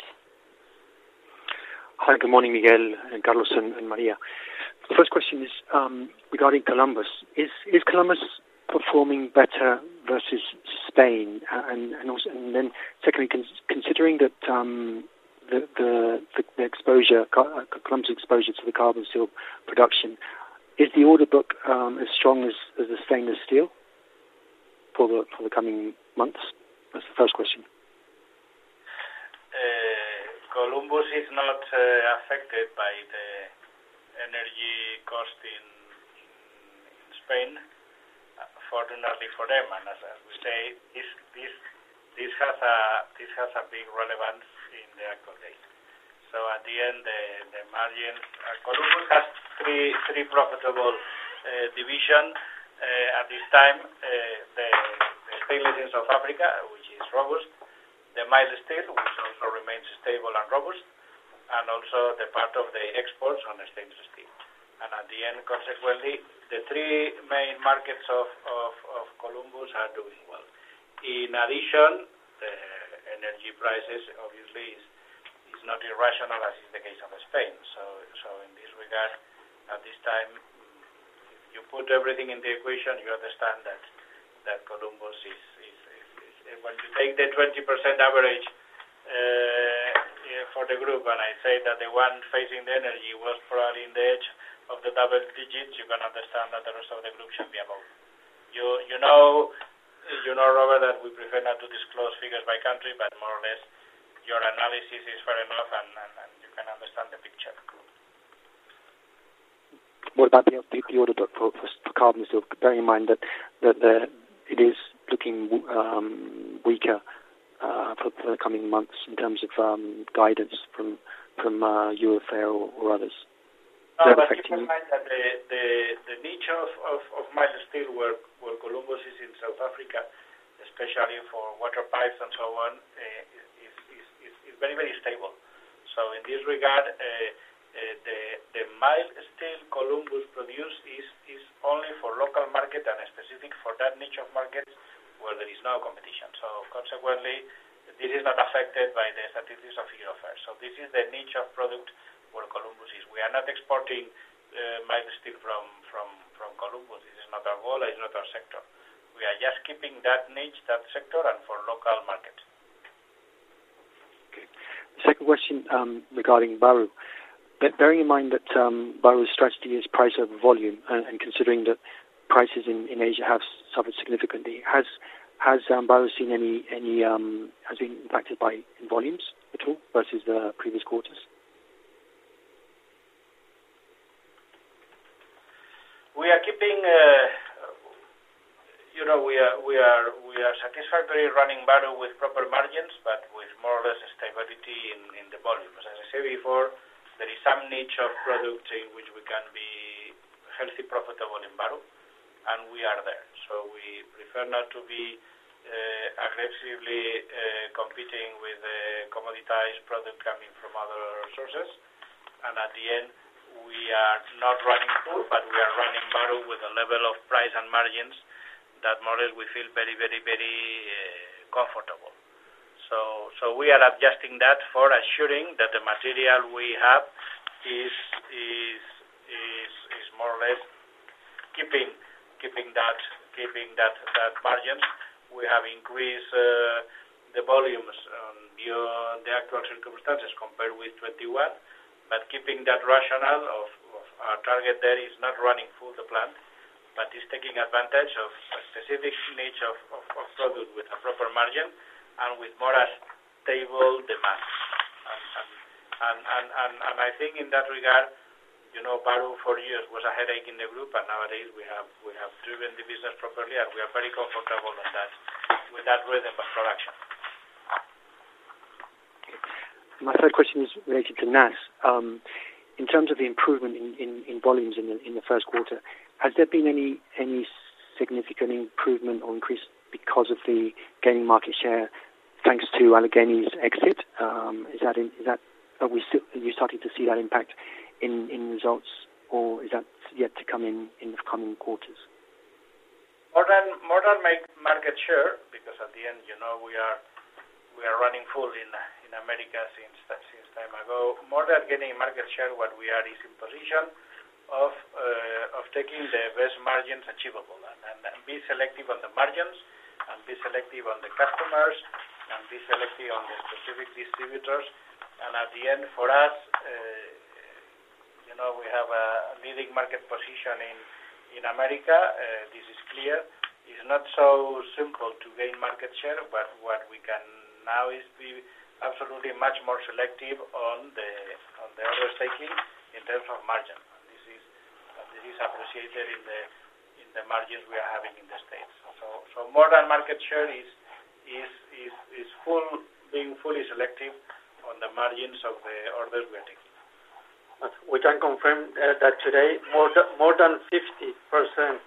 Hi, good morning, Miguel and Carlos and Maria. The first question is regarding Columbus. Is Columbus performing better versus Spain? Second, considering that the Columbus exposure to the carbon steel production, is the order book as strong as the stainless steel for the coming months? That's the first question. Columbus is not affected by the energy cost in Spain, fortunately for them. As we say, this has a big relevance in the actual data. At the end, the margin, Columbus has three profitable division at this time, the steel in South Africa, which is robust, the mild steel, which also remains stable and robust, and also the part of the exports on the stainless steel. At the end, consequently, the three main markets of Columbus are doing well. In addition, the energy prices obviously is not irrational as is the case of Spain. In this regard, at this time, if you put everything in the equation, you understand that Columbus is. When you take the 20% average for the group, and I say that the one facing the energy was probably in the edge of the double digits, you can understand that the rest of the group should be above. You know, Robert, that we prefer not to disclose figures by country, but more or less your analysis is fair enough and you can understand the picture of the group. What about the order book for carbon steel, bearing in mind that it is looking weaker for the coming months in terms of guidance from UFA or others? Is that affecting- No, but keep in mind that the nature of mild steel where Columbus is in South Africa, especially for water pipes and so on, is very stable. In this regard, the mild steel Columbus produce is only for local market and specific for that niche of market where there is no competition. Consequently, this is not affected by the statistics of UFA. This is the niche of product where Columbus is. We are not exporting mild steel from Columbus. This is not our goal, it's not our sector. We are just keeping that niche, that sector, and for local market. Okay. Second question, regarding Baru. Bearing in mind that, Baru's strategy is price over volume, and considering that prices in Asia have suffered significantly, has Baru been impacted by volumes at all versus the previous quarters? We are keeping, you know, we are satisfactorily running Baru with proper margins, but with more or less stability in the volumes. As I said before, there is some niche of product in which we can be healthy profitable in Baru, and we are there. We prefer not to be aggressively competing with the commoditized product coming from other sources. At the end, we are not running full, but we are running Baru with a level of price and margins that more or less we feel very comfortable. We are adjusting that for assuring that the material we have is more or less keeping that margin. We have increased the volumes due to the actual circumstances compared with 2021, but keeping that rationale of our target there is not running full the plant, but is taking advantage of a specific niche of product with a proper margin and with more or less stable demand. I think in that regard, you know, Baru for years was a headache in the group, and nowadays we have driven the business properly, and we are very comfortable on that, with that rhythm of production. Okay. My third question is related to NAS. In terms of the improvement in volumes in the Q1, has there been any significant improvement or increase because of the gaining market share, thanks to Allegheny's exit? Are you starting to see that impact in results, or is that yet to come in the coming quarters? More than making market share, because at the end, you know, we are running full in America since time ago. More than gaining market share, what we are is in position of taking the best margins achievable and be selective on the margins and be selective on the customers and be selective on the specific distributors. At the end, for us, you know, we have a leading market position in America. This is clear. It's not so simple to gain market share, but what we can now is be absolutely much more selective on the other settings in terms of margin. This is appreciated in the margins we are having in the States. More than market share is being fully selective on the margins of the orders we are taking. We can confirm that today more than 50%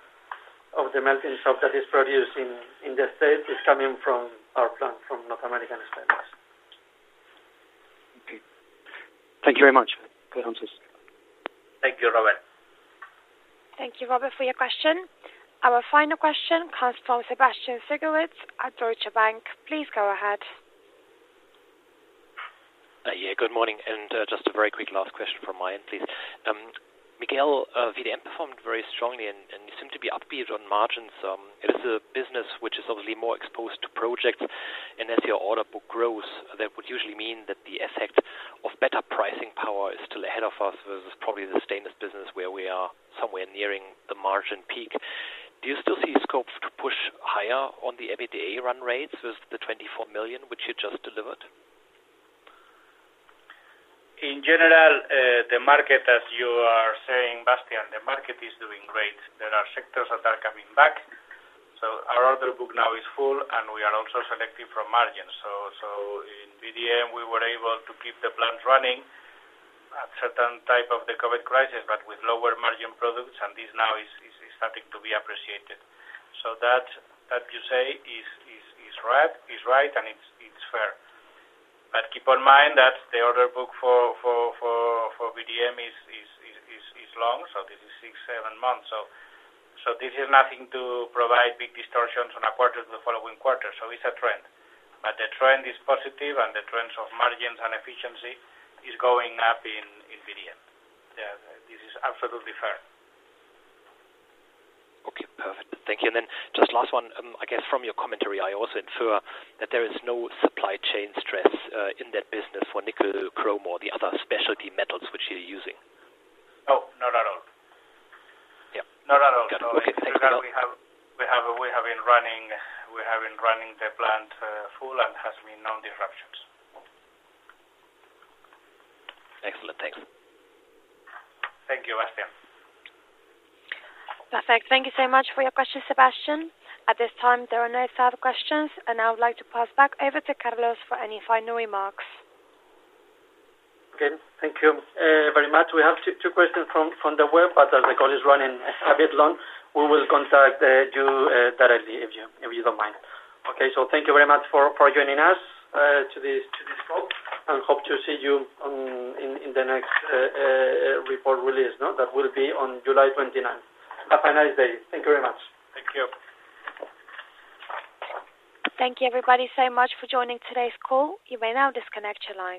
of the melting salt that is produced in the States is coming from our plant, from North American Stainless. Okay. Thank you very much for the answers. Thank you, Robert. Thank you, Robert, for your question. Our final question comes from Bastian Synagowitz at Deutsche Bank. Please go ahead. Yeah, good morning. Just a very quick last question from my end, please. Miguel, VDM performed very strongly and you seem to be upbeat on margins. It is a business which is obviously more exposed to projects, and as your order book grows, that would usually mean that the effect of better pricing power is still ahead of us. This is probably the stainless business where we are somewhere nearing the margin peak. Do you still see scope to push higher on the EBITDA run rates with the 24 million, which you just delivered? In general, the market, as you are saying, Bastian, the market is doing great. There are sectors that are coming back. Our order book now is full, and we are also selective on margins. In VDM, we were able to keep the plant running during the COVID crisis, but with lower margin products, and this now is starting to be appreciated. What you say is right and it's fair. Keep in mind that the order book for VDM is long, so this is 6-7 months. This is nothing to provide big distortions on a quarter to the following quarter. It's a trend, but the trend is positive and the trends of margins and efficiency is going up in VDM. Yeah, this is absolutely fair. Okay, perfect. Thank you. Just last one, I guess from your commentary, I also infer that there is no supply chain stress in that business for nickel, chrome or the other specialty metals which you're using. No, not at all. Yeah. Not at all. Okay. Thanks a lot. We have been running the plant full, and there has been no disruptions. Excellent. Thanks. Thank you, Bastian. Perfect. Thank you so much for your question, Sebastian. At this time, there are no further questions, and I would like to pass back over to Carlos for any final remarks. Okay. Thank you very much. We have two questions from the web, but as the call is running a bit long, we will contact you directly if you don't mind. Okay, so thank you very much for joining us to this call, and hope to see you in the next report release. No, that will be on July 29th. Have a nice day. Thank you very much. Thank you. Thank you everybody so much for joining today's call. You may now disconnect your line.